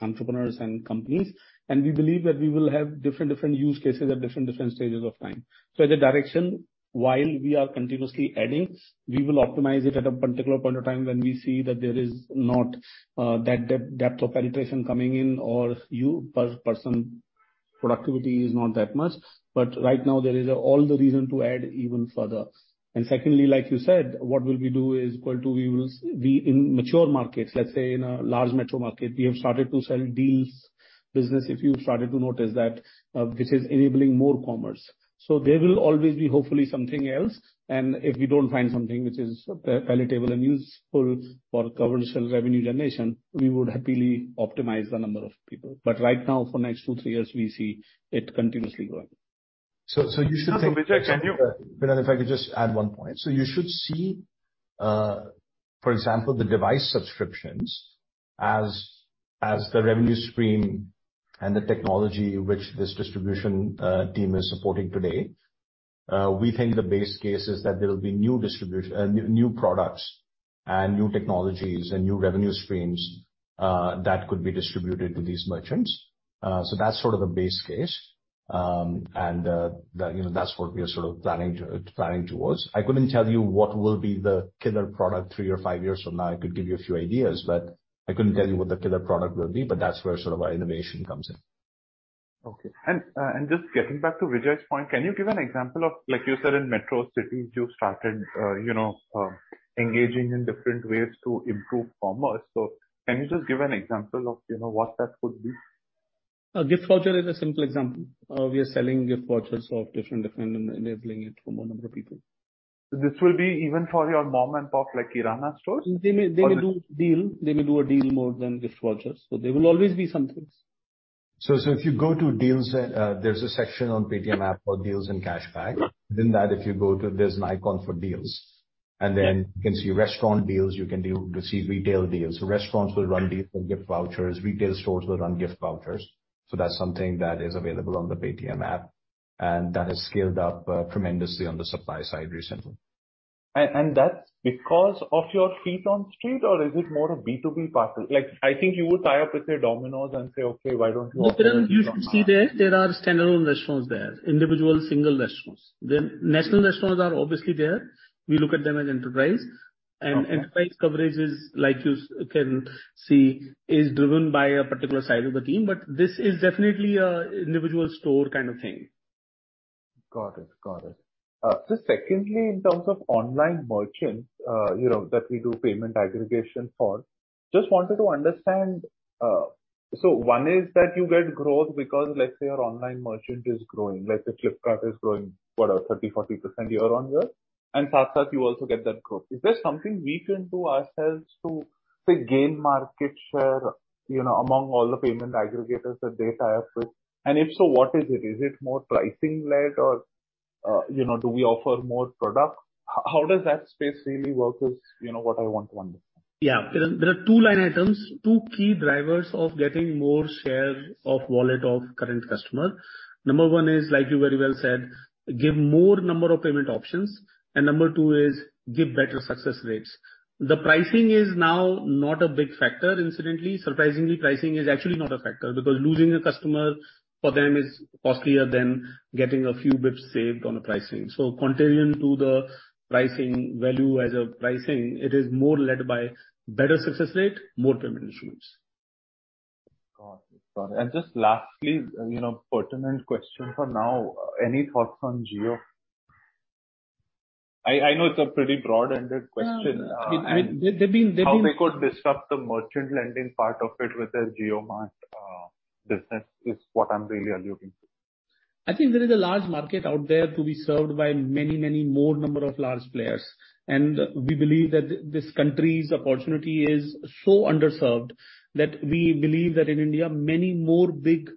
entrepreneurs and companies. We believe that we will have different use cases at different stages of time. As a direction, while we are continuously adding, we will optimize it at a particular point of time when we see that there is not that depth of penetration coming in or you per person-. productivity is not that much, but right now there is all the reason to add even further. secondly, like you said, what will we do, we in mature markets, let's say in a large metro market, we have started to sell deals business. If you've started to notice that, this is enabling more commerce. There will always be hopefully something else. If we don't find something which is palatable and useful for commercial revenue generation, we would happily optimize the number of people. Right now, for next two, three years, we see it continuously growing. You should. Vijay, can you- Perin, if I could just add one point. You should see, for example, the device subscriptions as the revenue stream and the technology which this distribution team is supporting today. We think the base case is that there will be new distribution, new products and new technologies and new revenue streams that could be distributed to these merchants. So that's sort of a base case. And that, you know, that's what we are sort of planning to, planning towards. I couldn't tell you what will be the killer product three or five years from now. I could give you a few ideas, but I couldn't tell you what the killer product will be. But that's where sort of our innovation comes in. Okay. Just getting back to Vijay's point, can you give an example of, like you said, in metro cities, you started, you know, engaging in different ways to improve commerce. Can you just give an example of, you know, what that could be? Gift voucher is a simple example. We are selling gift vouchers of different and enabling it for more number of people. This will be even for your mom-and-pop, like, kirana stores? They may, they will do deal. They will do a deal more than gift vouchers, so there will always be some things. If you go to deals, there's a section on Paytm app for deals and cashback. Mm. Within that, if you go to, there's an icon for deals. Yeah. You can see restaurant deals, you can see retail deals. Restaurants will run deals on gift vouchers, retail stores will run gift vouchers, so that's something that is available on the Paytm app, and that has scaled up tremendously on the supply side recently. That's because of your feet on street, or is it more a B2B partner? Like, I think you would tie up with, say, Domino's and say, "Okay, why don't you offer- You see there are standalone restaurants there, individual single restaurants. National restaurants are obviously there. We look at them as enterprise. Okay. Enterprise coverage is, like you can see, is driven by a particular side of the team, but this is definitely an individual store kind of thing. Got it. Got it. Just secondly, in terms of online merchants, you know, that we do payment aggregation for, just wanted to understand. One is that you get growth because, let's say your online merchant is growing, like the Flipkart is growing, what, 30%, 40% year-over-year, and apart of that you also get that growth. Is there something we can do ourselves to, say, gain market share, you know, among all the payment aggregators that they tie up with? If so, what is it? Is it more pricing-led or, you know, do we offer more product? How does that space really work is, you know, what I want to understand. Yeah. There are two line items, two key drivers of getting more share of wallet of current customer. Number one is, like you very well said, give more number of payment options, number two is give better success rates. The pricing is now not a big factor, incidentally. Surprisingly, pricing is actually not a factor, because losing a customer for them is costlier than getting a few bits saved on the pricing. Compared to the pricing value as a pricing, it is more led by better success rate, more payment instruments. Got it. Got it. Just lastly, you know, pertinent question for now, any thoughts on Jio? I know it's a pretty broad-ended question. they they've been- How they could disrupt the merchant lending part of it with their JioMart business, is what I'm really alluding to. I think there is a large market out there to be served by many, many more number of large players. We believe that this country's opportunity is so underserved that we believe that in India, many more big,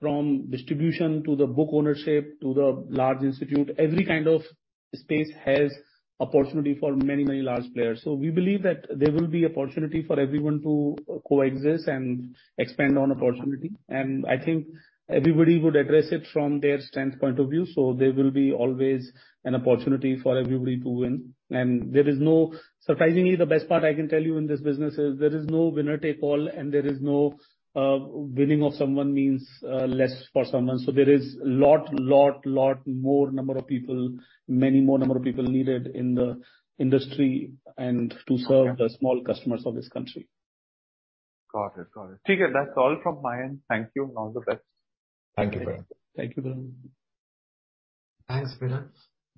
from distribution to the book ownership, to the large institute, every kind of space has opportunity for many, many large players. We believe that there will be opportunity for everyone to coexist and expand on opportunity. I think everybody would address it from their strength point of view, so there will be always an opportunity for everybody to win. There is no. Surprisingly, the best part I can tell you in this business is there is no winner take all, and there is no winning of someone means less for someone. There is many more number of people needed in the industry. Okay. to serve the small customers of this country. Got it, got it. That's all from my end. Thank you, and all the best. Thank you, Perin. Thank you, Perin. Thanks, Perin.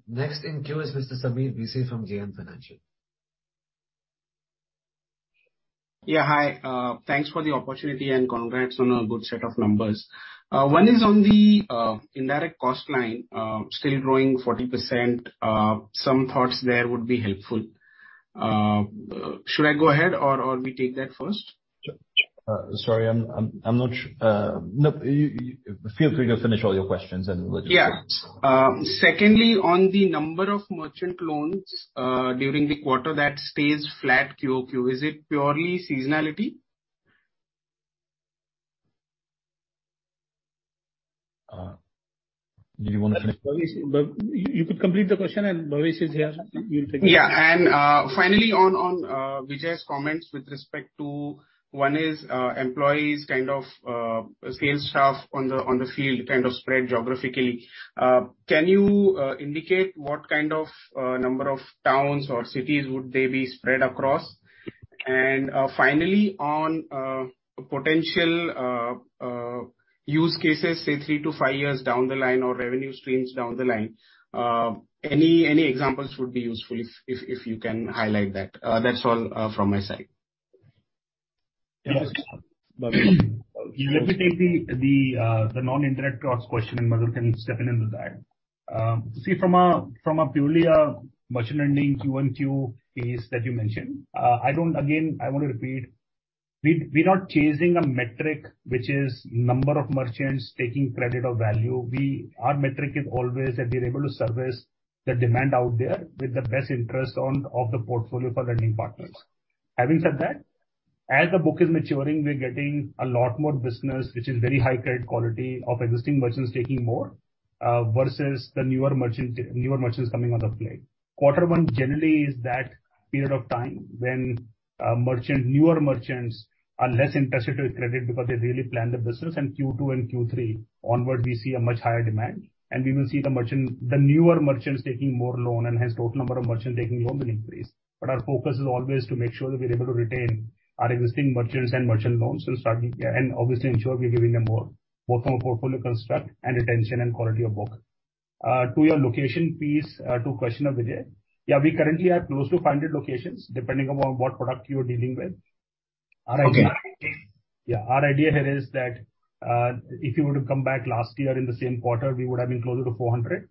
Next in queue is Mr. Sameer Bhise from JM Financial. Yeah, hi. Thanks for the opportunity and congrats on a good set of numbers. One is on the indirect cost line, still growing 40%, some thoughts there would be helpful. Should I go ahead or we take that first? Feel free to finish all your questions we'll. Secondly, on the number of merchant loans, during the quarter, that stays flat QoQ. Is it purely seasonality? Do you want to- You could complete the question, and Bhavesh is here, he will take it. Yeah. Finally, on Vijay's comments with respect to, one is, employees, kind of, sales staff on the, on the field, kind of spread geographically. Can you indicate what kind of number of towns or cities would they be spread across? Finally, on potential use cases, say, three to five years down the line or revenue streams down the line, any examples would be useful if you can highlight that. That's all from my side. Let me take the non-interest costs question. Madhur can step in into that. See, from a purely merchant lending QoQ piece that you mentioned, I don't again, I want to repeat, we're not chasing a metric which is number of merchants taking credit or value. Our metric is always that we're able to service the demand out there with the best interest of the portfolio for lending partners. Having said that, as the book is maturing, we're getting a lot more business, which is very high credit quality of existing merchants taking more versus the newer merchants coming on the plate. Quarter one generally is that period of time when newer merchants are less interested with credit because they really plan the business. Q2 and Q3 onward, we see a much higher demand. We will see the newer merchants taking more loan, and hence total number of merchants taking loan will increase. Our focus is always to make sure that we're able to retain our existing merchants and merchant loans and starting, and obviously ensure we're giving them more, both from a portfolio construct and retention and quality of book. To your location piece, to question of Vijay. Yeah, we currently have close to 500 locations, depending upon what product you are dealing with. Okay. Our idea here is that if you were to come back last year in the same quarter, we would have been closer to 400.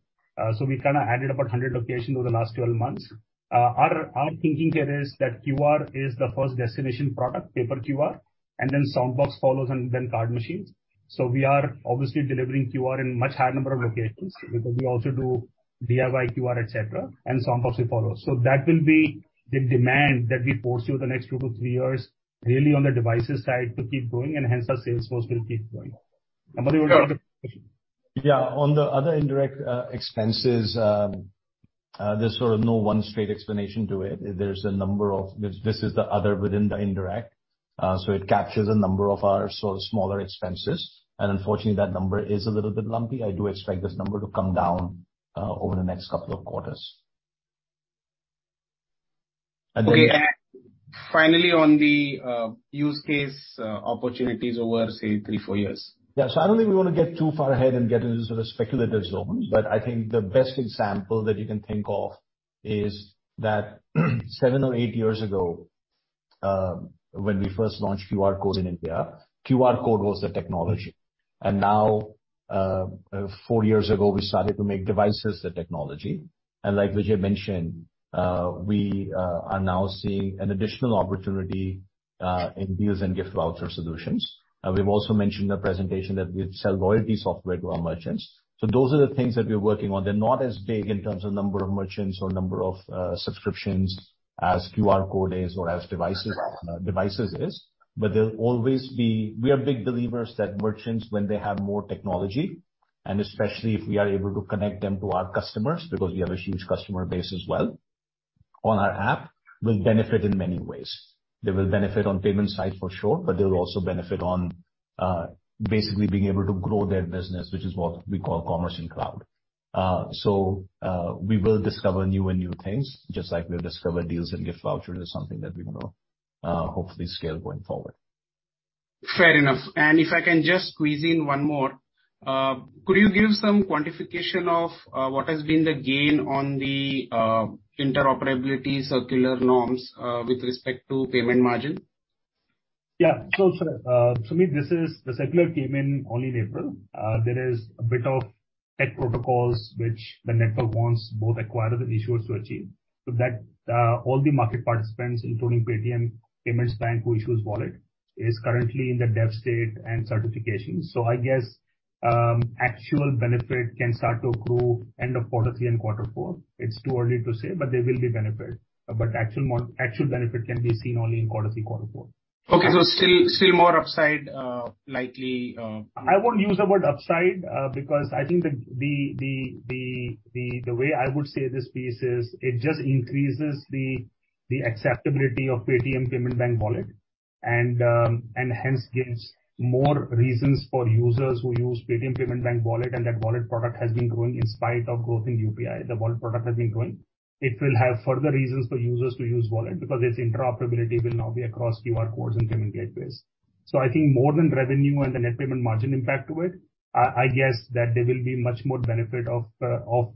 We kind of added about 100 locations over the last 12 months. Our thinking here is that QR is the first destination product, paper QR, and then Soundbox follows, and then card machines. We are obviously delivering QR in much higher number of locations, because we also do DIY QR, et cetera, and Soundbox will follow. That will be the demand that we foresee over the next two-three years, really on the devices side, to keep growing, and hence our sales force will keep growing. Madhur, you want to. Yeah, on the other indirect expenses, there's sort of no one straight explanation to it. This is the other within the indirect, so it captures a number of our sort of smaller expenses. Unfortunately, that number is a little bit lumpy. I do expect this number to come down over the next couple of quarters. Okay, finally, on the use case opportunities over, say, three, four years. I don't think we want to get too far ahead and get into the speculative zone, but I think the best example that you can think of is that seven or eight years ago, when we first launched QR code in India, QR code was the technology. Now, four years ago, we started to make devices the technology. Like Vijay mentioned, we are now seeing an additional opportunity in deals and gift voucher solutions. We've also mentioned the presentation that we sell loyalty software to our merchants. Those are the things that we're working on. They're not as big in terms of number of merchants or number of subscriptions as QR code is or as devices is, but they'll always be... We are big believers that merchants, when they have more technology, and especially if we are able to connect them to our customers, because we have a huge customer base as well on our app, will benefit in many ways. They will benefit on payment side for sure, but they'll also benefit on basically being able to grow their business, which is what we call commerce in cloud. We will discover newer and newer things, just like we've discovered deals and gift voucher is something that we want to hopefully scale going forward. Fair enough. If I can just squeeze in one more. Could you give some quantification of what has been the gain on the interoperability circular norms with respect to payment margin? Sameer, this is the circular came in only April. There is a bit of tech protocols which the network wants both acquirers and issuers to achieve. That, all the market participants, including Paytm Payments Bank, who issues wallet, is currently in the dev state and certification. I guess, actual benefit can start to accrue end of quarter three and quarter four. It's too early to say, but there will be benefit, but actual benefit can be seen only in quarter three, quarter four. Okay, still more upside likely, I won't use the word upside because I think that the way I would say this piece is, it just increases the acceptability of Paytm Payments Bank wallet, and hence gives more reasons for users who use Paytm Payments Bank wallet, and that wallet product has been growing in spite of growth in UPI. The wallet product has been growing. It will have further reasons for users to use wallet, because its interoperability will now be across QR codes and payment gateways. I think more than revenue and the net payment margin impact to it, I guess that there will be much more benefit of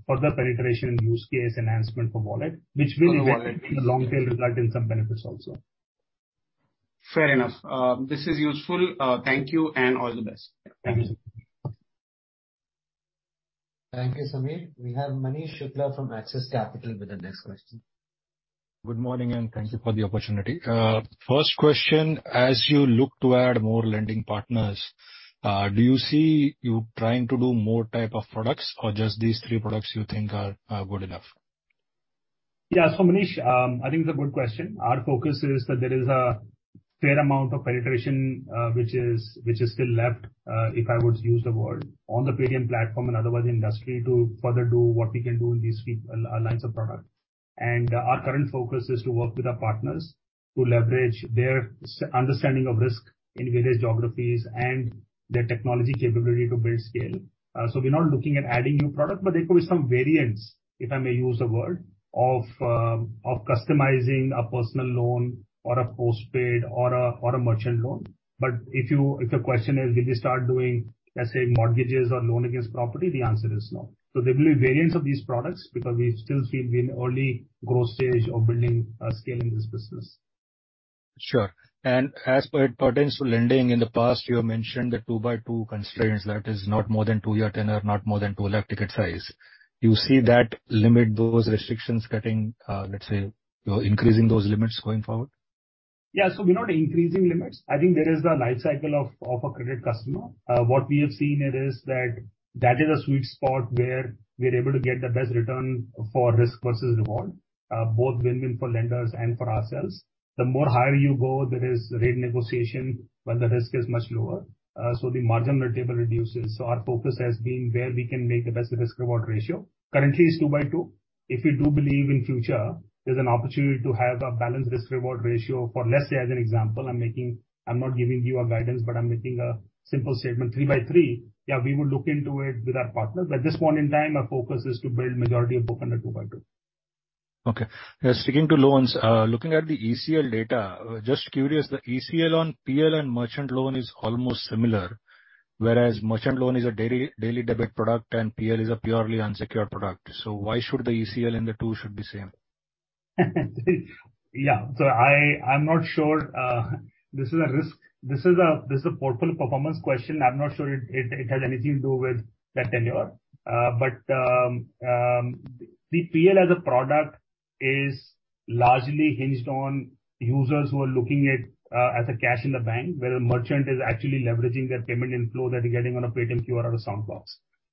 further penetration and use case enhancement for wallet. For wallet, yes. Which will event in the long term result in some benefits also. Fair enough. This is useful. Thank you, and all the best. Thank you. Thank you, Sameer. We have Manish Shukla from Axis Capital with the next question. Good morning. Thank you for the opportunity. First question, as you look to add more lending partners, do you see you trying to do more type of products, or just these three products you think are good enough? Manish, I think it's a good question. Our focus is that there is a fair amount of penetration, which is still left, if I would use the word, on the Paytm platform and other industry to further do what we can do in these three lines of product. Our current focus is to work with our partners to leverage their understanding of risk in various geographies and their technology capability to build scale. We're not looking at adding new product, but there could be some variants, if I may use the word, of customizing a personal loan or a postpaid or a merchant loan. If your question is, did we start doing, let's say, mortgages or loan against property? The answer is no. There will be variants of these products because we still feel we're in early growth stage of building, scaling this business. Sure. As per potential lending, in the past, you have mentioned the two by two constraints, that is, not more than two-year tenure, not more than 2 lakh ticket size. You see that limit, those restrictions cutting, let's say, you're increasing those limits going forward? We're not increasing limits. I think there is the life cycle of a credit customer. What we have seen it is that that is a sweet spot where we are able to get the best return for risk versus reward, both win-win for lenders and for ourselves. The more higher you go, there is rate negotiation when the risk is much lower, so the margin multiple reduces. Our focus has been where we can make the best risk reward ratio. Currently, it's two by two. If we do believe in future, there's an opportunity to have a balanced risk reward ratio for, let's say, as an example, I'm not giving you a guidance, but I'm making a simple statement, three by three, we will look into it with our partners. At this point in time, our focus is to build majority of book under two by two. Okay. sticking to loans, looking at the ECL data, just curious, the ECL on PL and merchant loan is almost similar, whereas merchant loan is a daily debit product and PL is a purely unsecured product. Why should the ECL in the two should be same? I'm not sure this is a risk. This is a portfolio performance question. I'm not sure it has anything to do with the tenure. The PL as a product is largely hinged on users who are looking at as a cash in the bank, where a merchant is actually leveraging their payment inflow that they're getting on a Paytm QR or a Soundbox.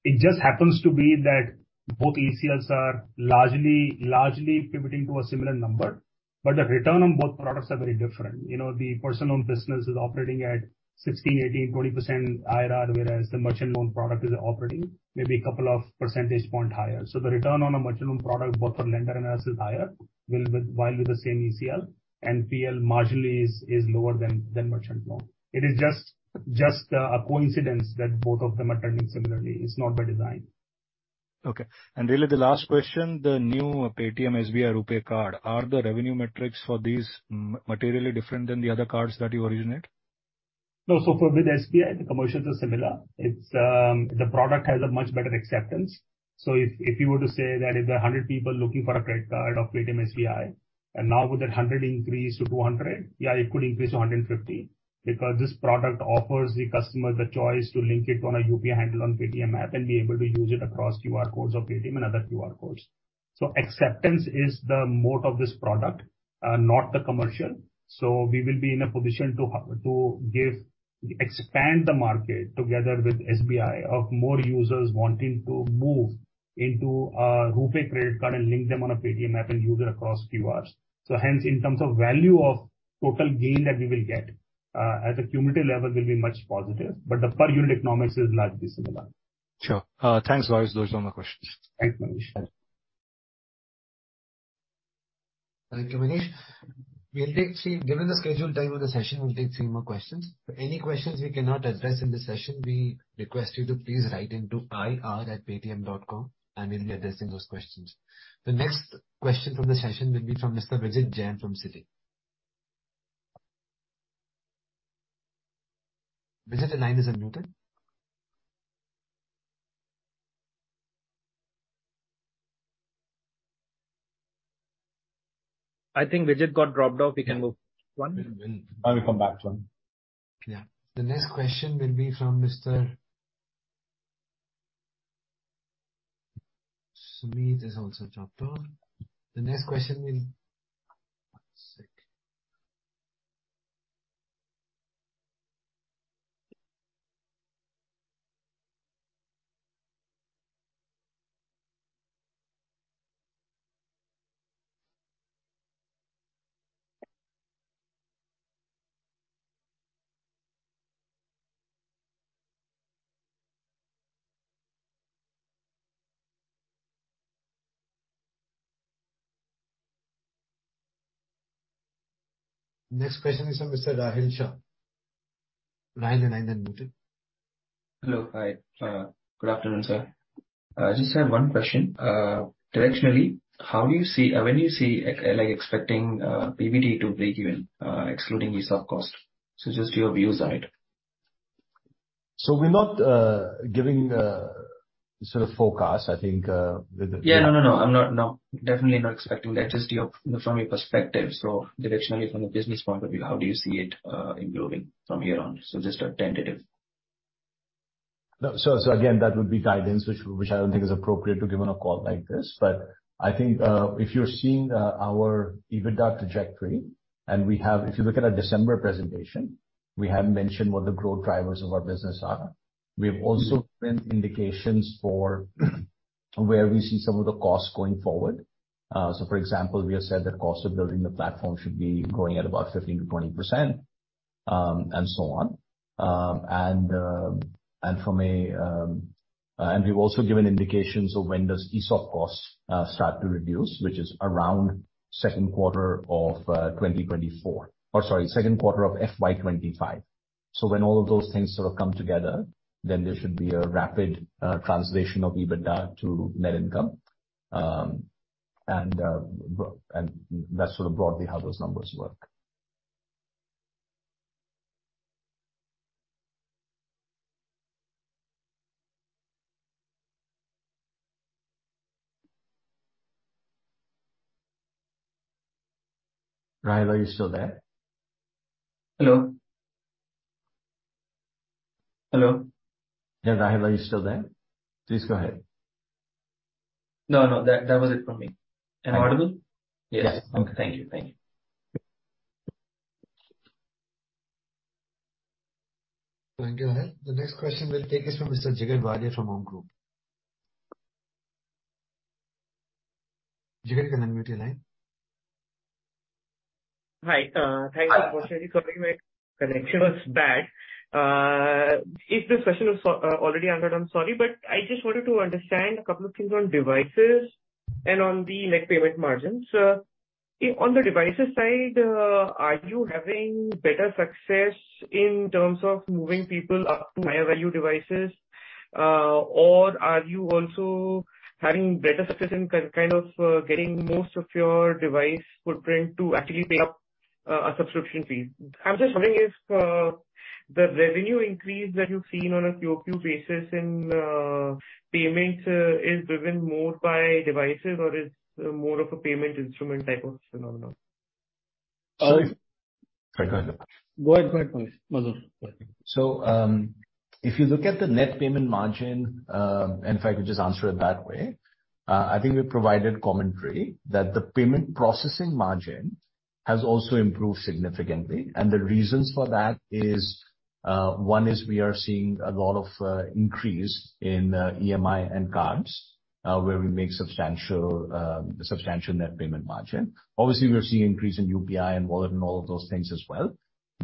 It just happens to be that both ECLs are largely pivoting to a similar number, but the return on both products are very different. You know, the personal business is operating at 16%, 18%, 20% IRR, whereas the merchant loan product is operating maybe a couple of percentage point higher. The return on a merchant loan product, both for lender and us, is higher with, while with the same ECL and PL marginally is lower than merchant loan. It is just a coincidence that both of them are trending similarly. It's not by design. Okay. Really, the last question, the new Paytm SBI RuPay card, are the revenue metrics for these materially different than the other cards that you originate? No. For with SBI, the commercials are similar. It's, the product has a much better acceptance. If you were to say that if 100 people looking for a credit card of Paytm SBI, and now with that 100 increase to 200, yeah, it could increase to 150, because this product offers the customer the choice to link it on a UPI handle on Paytm app and be able to use it across QR codes of Paytm and other QR codes. Acceptance is the mode of this product, not the commercial. We will be in a position to give, expand the market together with SBI of more users wanting to move into a RuPay credit card and link them on a Paytm app and use it across QRs. In terms of value of total gain that we will get, at a cumulative level will be much positive, but the per unit economics is largely similar. Sure. Thanks, Vijay. Those are my questions. Thank you, Manish. Given the scheduled time of the session, we'll take three more questions. For any questions we cannot address in this session, we request you to please write into ir@paytm.com, and we'll be addressing those questions. The next question from the session will be from Mr. Vijit Jain from Citi. Vijay, the line is unmuted. I think Vijay got dropped off. We can move on. We'll, I will come back to him. Yeah. The next question will be from Mr... Sameer is also dropped off. One sec. Next question is from Mr. Rahil Shah. Rahil, your line unmuted. Hello. Hi. Good afternoon, sir. I just have 1 question. Directionally, how do you see or when do you see, like, expecting, PBT to break even, excluding the stock cost? Just your view side. We're not giving sort of forecast. I think, Yeah. No, no, I'm not definitely not expecting that. Just your, from your perspective. Directionally, from a business point of view, how do you see it improving from here on? Just a tentative. No. Again, that would be guidance, which I don't think is appropriate to give on a call like this. I think, if you're seeing our EBITDA trajectory and if you look at our December presentation, we have mentioned what the growth drivers of our business are. We have also given indications for where we see some of the costs going forward. For example, we have said that cost of building the platform should be growing at about 15%-20%, and so on. We've also given indications of when does ESOP costs start to reduce, which is around second quarter of 2024. Oh, sorry, second quarter of FY 2025. When all of those things sort of come together, then there should be a rapid translation of EBITDA to net income. That's sort of broadly how those numbers work. Rahil, are you still there? Hello? Hello? Yeah, Rahil, are you still there? Please go ahead. No, no, that was it from me. Am I audible? Yes. Okay. Thank you. Thank you. Thank you, Rahil. The next question we'll take is from Mr. Jigar Valia from OHM Group. Jigar, can you unmute your line? Hi, thank you for my connection was bad. If this question was already answered, I'm sorry, but I just wanted to understand a couple of things on devices and on the Net Payment Margins. On the devices side, are you having better success in terms of moving people up to higher value devices, or are you also having better success in kind of, getting most of your device footprint to actually pay up, a subscription fee? I'm just wondering if the revenue increase that you've seen on a QoQ basis in payments, is driven more by devices or is more of a payment instrument type of phenomenon? Sorry, go ahead. Go ahead, go ahead, Madhur. If you look at the net payment margin, and if I could just answer it that way, I think we provided commentary that the payment processing margin has also improved significantly. The reasons for that is, one is we are seeing a lot of increase in EMI and cards, where we make substantial net payment margin. Obviously, we're seeing increase in UPI and wallet and all of those things as well,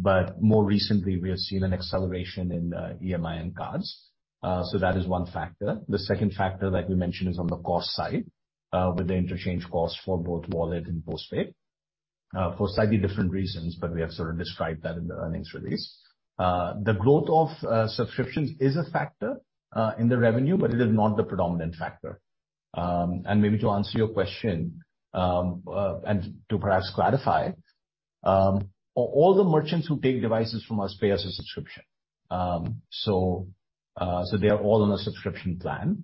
but more recently, we have seen an acceleration in EMI and cards. That is one factor. The second factor that we mentioned is on the cost side, with the interchange costs for both wallet and postpaid. For slightly different reasons, but we have sort of described that in the earnings release. The growth of subscriptions is a factor in the revenue, but it is not the predominant factor. Maybe to answer your question, and to perhaps clarify, all the merchants who take devices from us pay us a subscription. So they are all on a subscription plan.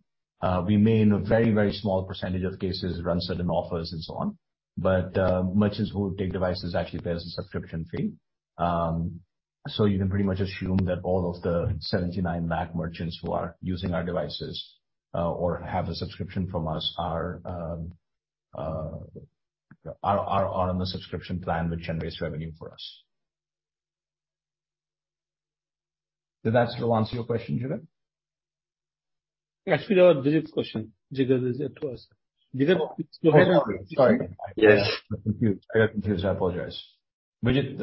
We may, in a very, very small percentage of cases, run certain offers and so on. Merchants who take devices actually pay us a subscription fee. You can pretty much assume that all of the 79 lakh merchants who are using our devices, or have a subscription from us are on a subscription plan, which generates revenue for us. Did that still answer your question, Jigar? Yes, it was Vijit's question. Jigar. Sorry. Yes. I got confused. I apologize. Vijit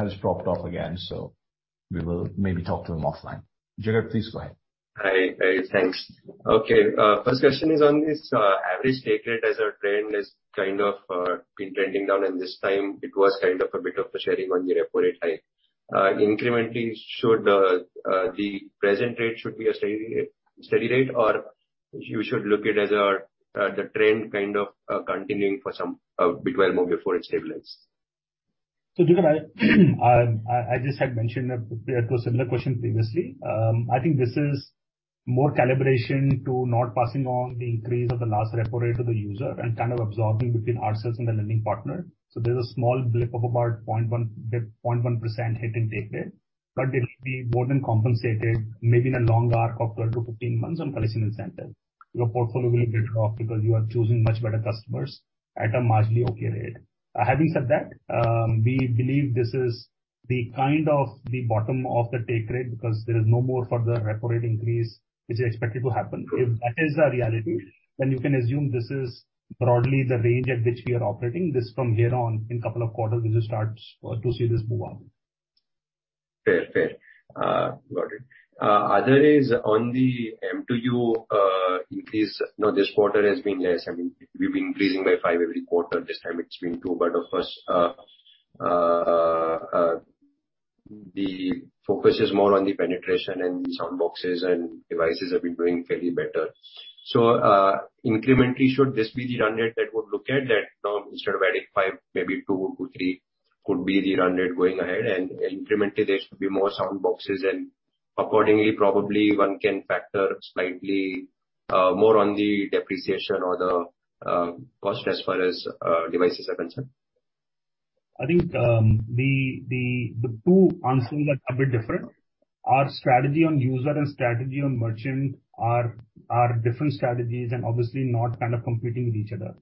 has dropped off again, we will maybe talk to him offline. Jigar, please go ahead. Hi. Thanks. Okay, first question is on this average stated as our trend is kind of been trending down, and this time it was kind of a bit of a sharing on the repo rate, incrementally, should the present rate should be a steady rate, or you should look it as the trend kind of continuing for some bit while before it stabilizes? Jigar, I just had mentioned that to a similar question previously. I think this is more calibration to not passing on the increase of the last repo rate to the user and kind of absorbing between ourselves and the lending partner. There's a small blip of about 0.1% hit in take rate, but it will be more than compensated, maybe in a long arc of 12 to 15 months on collection incentive. Your portfolio will be better off because you are choosing much better customers at a marginally okay rate. Having said that, we believe this is the kind of the bottom of the take rate, because there is no more further repo rate increase, which is expected to happen. If that is the reality, you can assume this is broadly the range at which we are operating. This from here on, in couple of quarters, we will start to see this move on. Fair. Fair. Got it. Other is on the MTU increase. This quarter has been less. I mean, we've been increasing by five every quarter. This time it's been two, but of course, the focus is more on the penetration, and the Soundboxes and devices have been doing fairly better. Incrementally, should this be the run rate that would look at? That instead of adding five, maybe two-three could be the run rate going ahead, incrementally there should be more Soundboxes, and accordingly, probably one can factor slightly more on the depreciation or the cost as far as devices are concerned? I think the two answers are a bit different. Our strategy on user and strategy on merchant are different strategies and obviously not kind of competing with each other.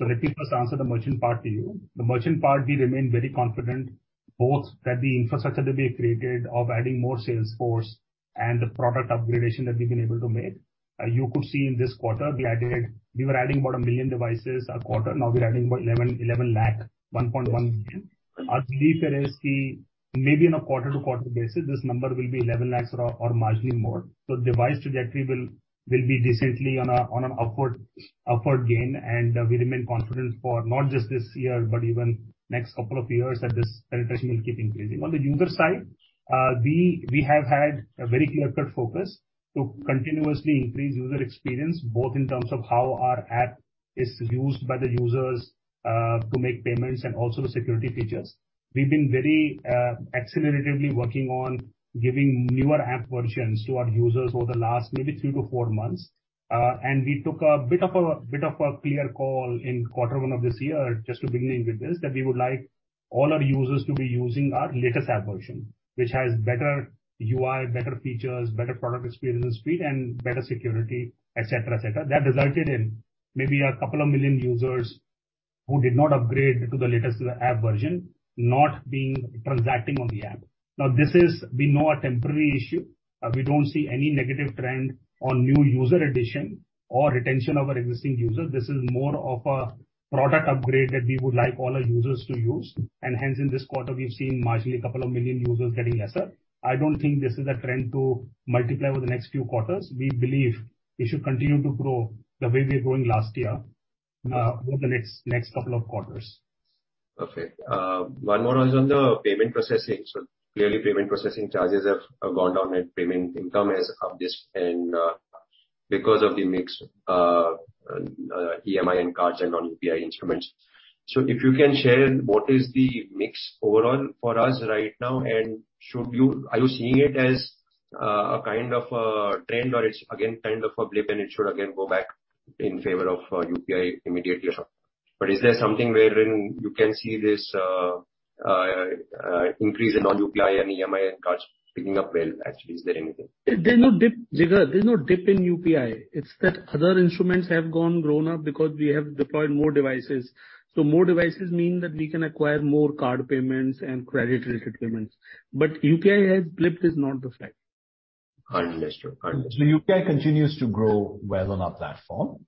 Let me first answer the merchant part to you. The merchant part, we remain very confident both that the infrastructure that we have created of adding more sales force and the product upgradation that we've been able to make. You could see in this quarter, we were adding about 1 million devices a quarter, now we're adding about 11 lakh, 1.1 million. Our belief is, maybe on a quarter-to-quarter basis, this number will be 11 lakh or marginally more. Device trajectory will be decently on an upward gain, and we remain confident for not just this year, but even next couple of years, that this penetration will keep increasing. On the user side, we have had a very clear-cut focus to continuously increase user experience, both in terms of how our app is used by the users, to make payments and also the security features. We've been very acceleratively working on giving newer app versions to our users over the last maybe three to four months. We took a bit of a clear call in Q1 of this year, just to beginning with this, that we would like all our users to be using our latest app version, which has better UI, better features, better product experience and speed, and better security, et cetera, et cetera. That resulted in maybe 2 million users who did not upgrade to the latest app version, not being transacting on the app. This is we know a temporary issue, we don't see any negative trend on new user addition or retention of our existing users. This is more of a product upgrade that we would like all our users to use, hence, in this quarter, we've seen marginally 2 million users getting lesser. I don't think this is a trend to multiply over the next few quarters. We believe we should continue to grow the way we were growing last year, over the next couple of quarters. Okay, one more is on the payment processing. Clearly, payment processing charges have gone down, and payment income has upped this and because of the mix, EMI and cards and non-UPI instruments. If you can share, what is the mix overall for us right now? Are you seeing it as a kind of a trend, or it's again, kind of a blip, and it should again go back in favor of UPI immediately? Is there something wherein you can see this increase in non-UPI and EMI and cards picking up well, actually, is there anything? There's no dip, Jigar. There's no dip in UPI. It's that other instruments have grown up because we have deployed more devices. More devices mean that we can acquire more card payments and credit-related payments. UPI has blipped is not the fact. Understood. Understood. UPI continues to grow well on our platform.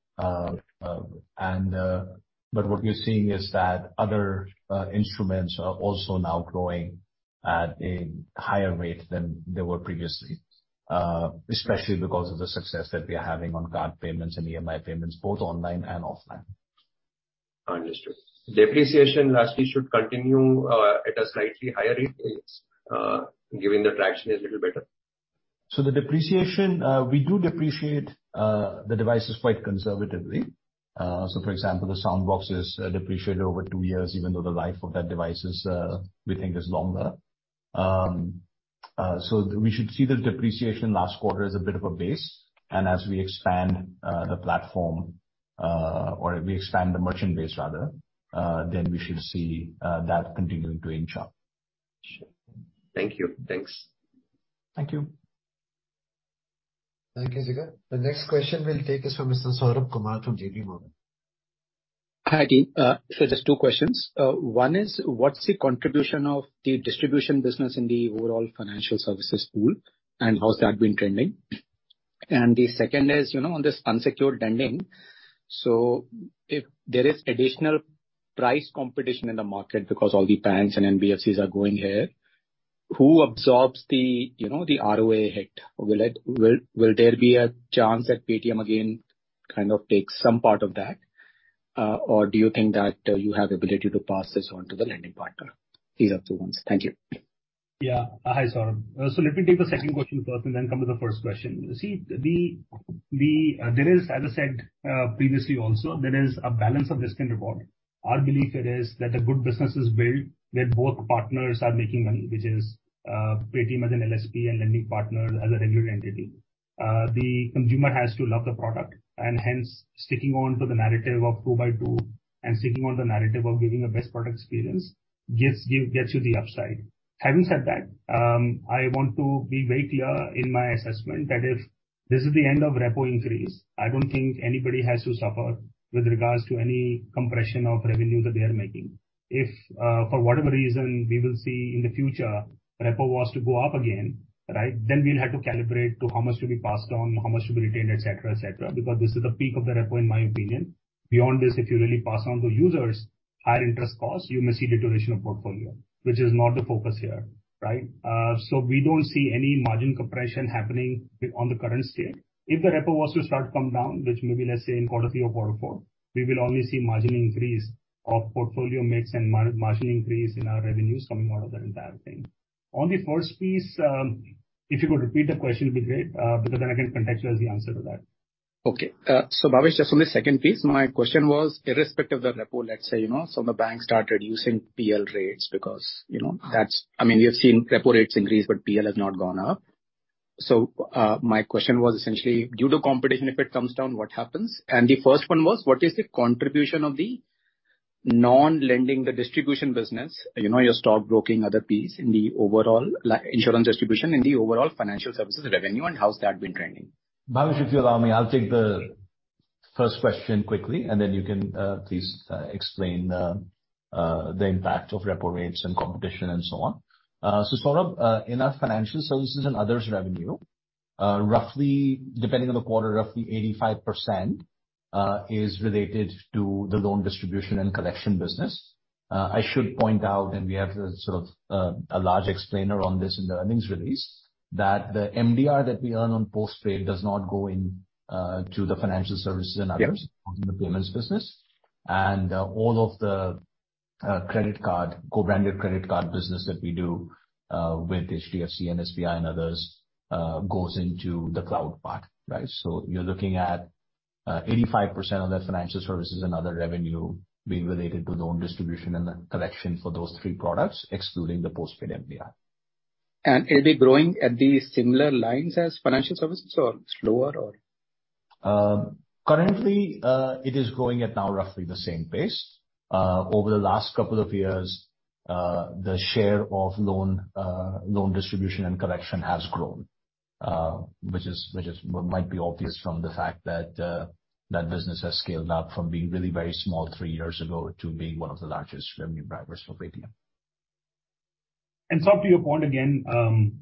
What we're seeing is that other instruments are also now growing at a higher rate than they were previously, especially because of the success that we are having on card payments and EMI payments, both online and offline. Understood. Depreciation, lastly, should continue, at a slightly higher rate, given the traction is a little better? The depreciation, we do depreciate the devices quite conservatively. For example, the Soundbox are depreciated over two years, even though the life of that device is, we think is longer. We should see the depreciation last quarter as a bit of a base, and as we expand the platform, or we expand the merchant base rather, then we should see that continuing to inch up. Sure. Thank you. Thanks. Thank you. Thank you, Jigar. The next question we'll take is from Mr. Saurabh Kumar from J.P. Morgan. Hi, team. Just two questions. One is, what's the contribution of the distribution business in the overall financial services pool, and how's that been trending? The second is, you know, on this unsecured lending, if there is additional price competition in the market because all the banks and NBFCs are going here, who absorbs the, you know, the ROA hit? Will there be a chance that Paytm again, kind of takes some part of that? Do you think that you have the ability to pass this on to the lending partner? These are the two ones. Thank you. Yeah. Hi, Saurabh. Let me take the second question first and then come to the first question. See, we, there is, as I said, previously also, there is a balance of risk and reward. Our belief here is that a good business is built where both partners are making money, which is Paytm as an LSP and lending partner as a regular entity. The consumer has to love the product, and hence, sticking on to the narrative of two by two and sticking on the narrative of giving the best product experience, gets you the upside. Having said that, I want to be very clear in my assessment that if this is the end of repo increase, I don't think anybody has to suffer with regards to any compression of revenue that they are making. If, for whatever reason, we will see in the future, repo was to go up again, right? We'll have to calibrate to how much to be passed on, how much to be retained, et cetera, et cetera, because this is the peak of the repo, in my opinion. Beyond this, if you really pass on to users higher interest costs, you may see deterioration of portfolio, which is not the focus here, right? We don't see any margin compression happening with, on the current state. If the repo was to start to come down, which may be, let's say, in quarter three or quarter four, we will only see margin increase of portfolio mix and margin increase in our revenues coming out of that entire thing. On the first piece, if you could repeat the question, it'd be great, because then I can contextualize the answer to that. Okay. Bhavesh, just on the second piece, my question was irrespective of the repo, let's say, you know, some of the banks started using PL rates because, you know, I mean, we have seen repo rates increase, but PL has not gone up. My question was essentially due to competition, if it comes down, what happens? The first one was, what is the contribution of the non-lending, the distribution business, you know, your stockbroking, other piece, in the overall, like, insurance distribution in the overall financial services revenue, and how's that been trending? Bhavesh, if you allow me, I'll take the first question quickly, and then you can please explain the impact of repo rates and competition and so on. Saurabh, in our financial services and others revenue, roughly, depending on the quarter, roughly 85% is related to the loan distribution and collection business. I should point out, and we have a, sort of, a large explainer on this in the earnings release, that the MDR that we earn on Postpaid does not go in to the financial services and others. Yeah. in the payments business. All of the credit card, co-branded credit card business that we do with HDFC and SBI and others goes into the cloud part, right? You're looking at 85% of that financial services and other revenue being related to loan distribution and the collection for those three products, excluding the postpaid NPM. It'll be growing at the similar lines as financial services or slower, or? Currently, it is growing at now roughly the same pace. Over the last couple of years, the share of loan distribution and collection has grown, which is might be obvious from the fact that business has scaled up from being really very small three years ago to being one of the largest revenue drivers for Paytm. To your point, again,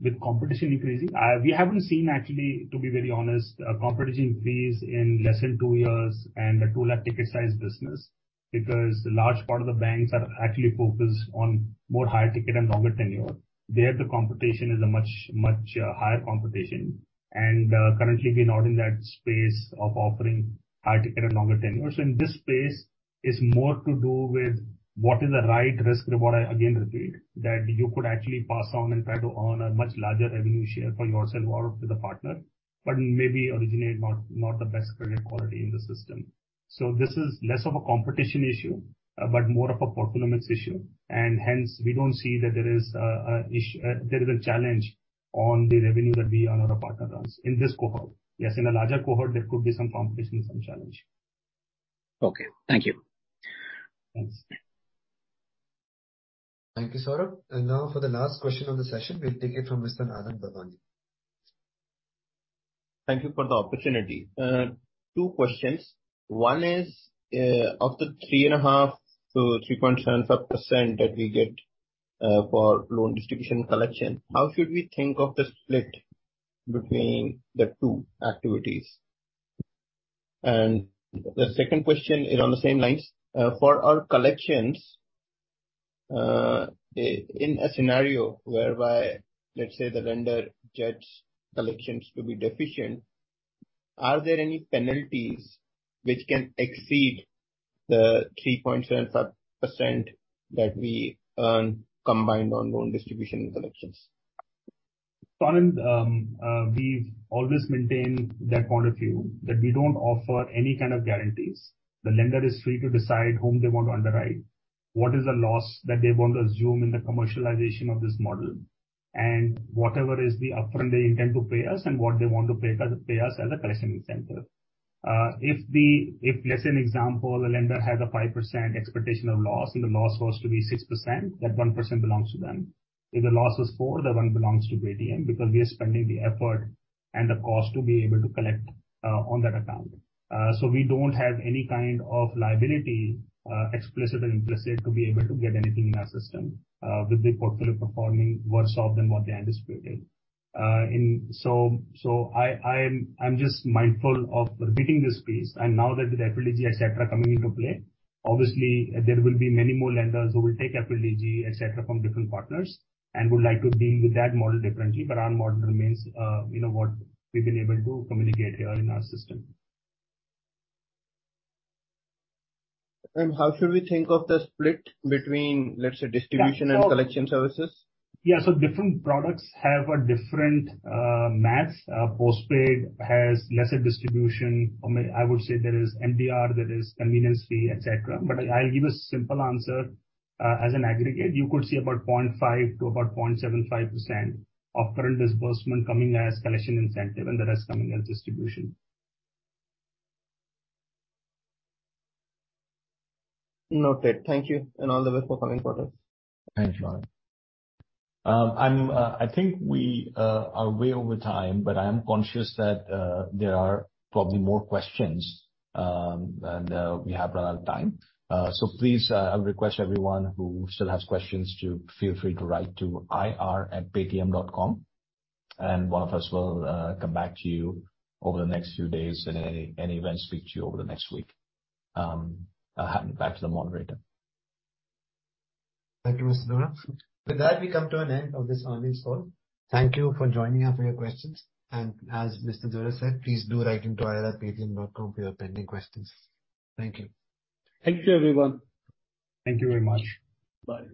with competition increasing, we haven't seen actually, to be very honest, competition increase in less than two years and a 2 lakh ticket size business, because a large part of the banks are actually focused on more higher ticket and longer tenure. There, the competition is a much higher competition. Currently we're not in that space of offering high ticket and longer tenure. In this space, is more to do with what is the right risk reward, I again repeat, that you could actually pass on and try to own a much larger revenue share for yourself or with a partner, but maybe originate not the best credit quality in the system. This is less of a competition issue, but more of a portfolio mix issue, and hence, we don't see that there is a challenge on the revenue that we or another partner runs in this cohort. In a larger cohort, there could be some competition and some challenge. Okay, thank you. Thanks. Thank you, Saurabh. Now for the last question of the session, we'll take it from Mr. Anand Gavandi. Thank you for the opportunity. Two questions. One is, of the 3.5%-3.75% that we get for loan distribution collection, how should we think of the split between the two activities? The second question is on the same lines. For our collections, in a scenario whereby, let's say, the lender judges collections to be deficient, are there any penalties which can exceed the 3.75% that we earn combined on loan distribution and collections? Anand, we've always maintained that point of view, that we don't offer any kind of guarantees. The lender is free to decide whom they want to underwrite, what is the loss that they want to assume in the commercialization of this model, and whatever is the upfront they intend to pay us and what they want to pay us as a collection incentive. If, let's say an example, the lender has a 5% expectation of loss, and the loss was to be 6%, that 1% belongs to them. If the loss is 4%, the 1% belongs to Paytm, because we are spending the effort and the cost to be able to collect on that account. We don't have any kind of liability, explicit or implicit, to be able to get anything in our system, with the portfolio performing worse off than what they anticipated. I'm just mindful of repeating this piece. Now that the FLDG, et cetera, coming into play, obviously there will be many more lenders who will take FLDG, et cetera, from different partners, and would like to deal with that model differently. Our model remains, you know, what we've been able to communicate here in our system. How should we think of the split between, let's say, distribution and collection services? Yeah, different products have a different math. Postpaid has lesser distribution, or I would say there is MDR, there is convenience fee, et cetera. I'll give a simple answer. As an aggregate, you could see about 0.5%-0.75% of current disbursement coming as collection incentive, and the rest coming as distribution. Noted. Thank you, and all the best for coming quarters. Thanks, Anand. I think we are way over time, but I am conscious that there are probably more questions, and we have run out of time. Please, I'll request everyone who still has questions to feel free to write to ir@paytm.com, and one of us will come back to you over the next few days, and any events, speak to you over the next week. Back to the moderator. Thank you, Mr. Deora. With that, we come to an end of this earnings call. Thank you for joining us and for your questions, and as Mr. Deora said, please do write into ir@paytm.com for your pending questions. Thank you. Thank you, everyone. Thank you very much. Bye.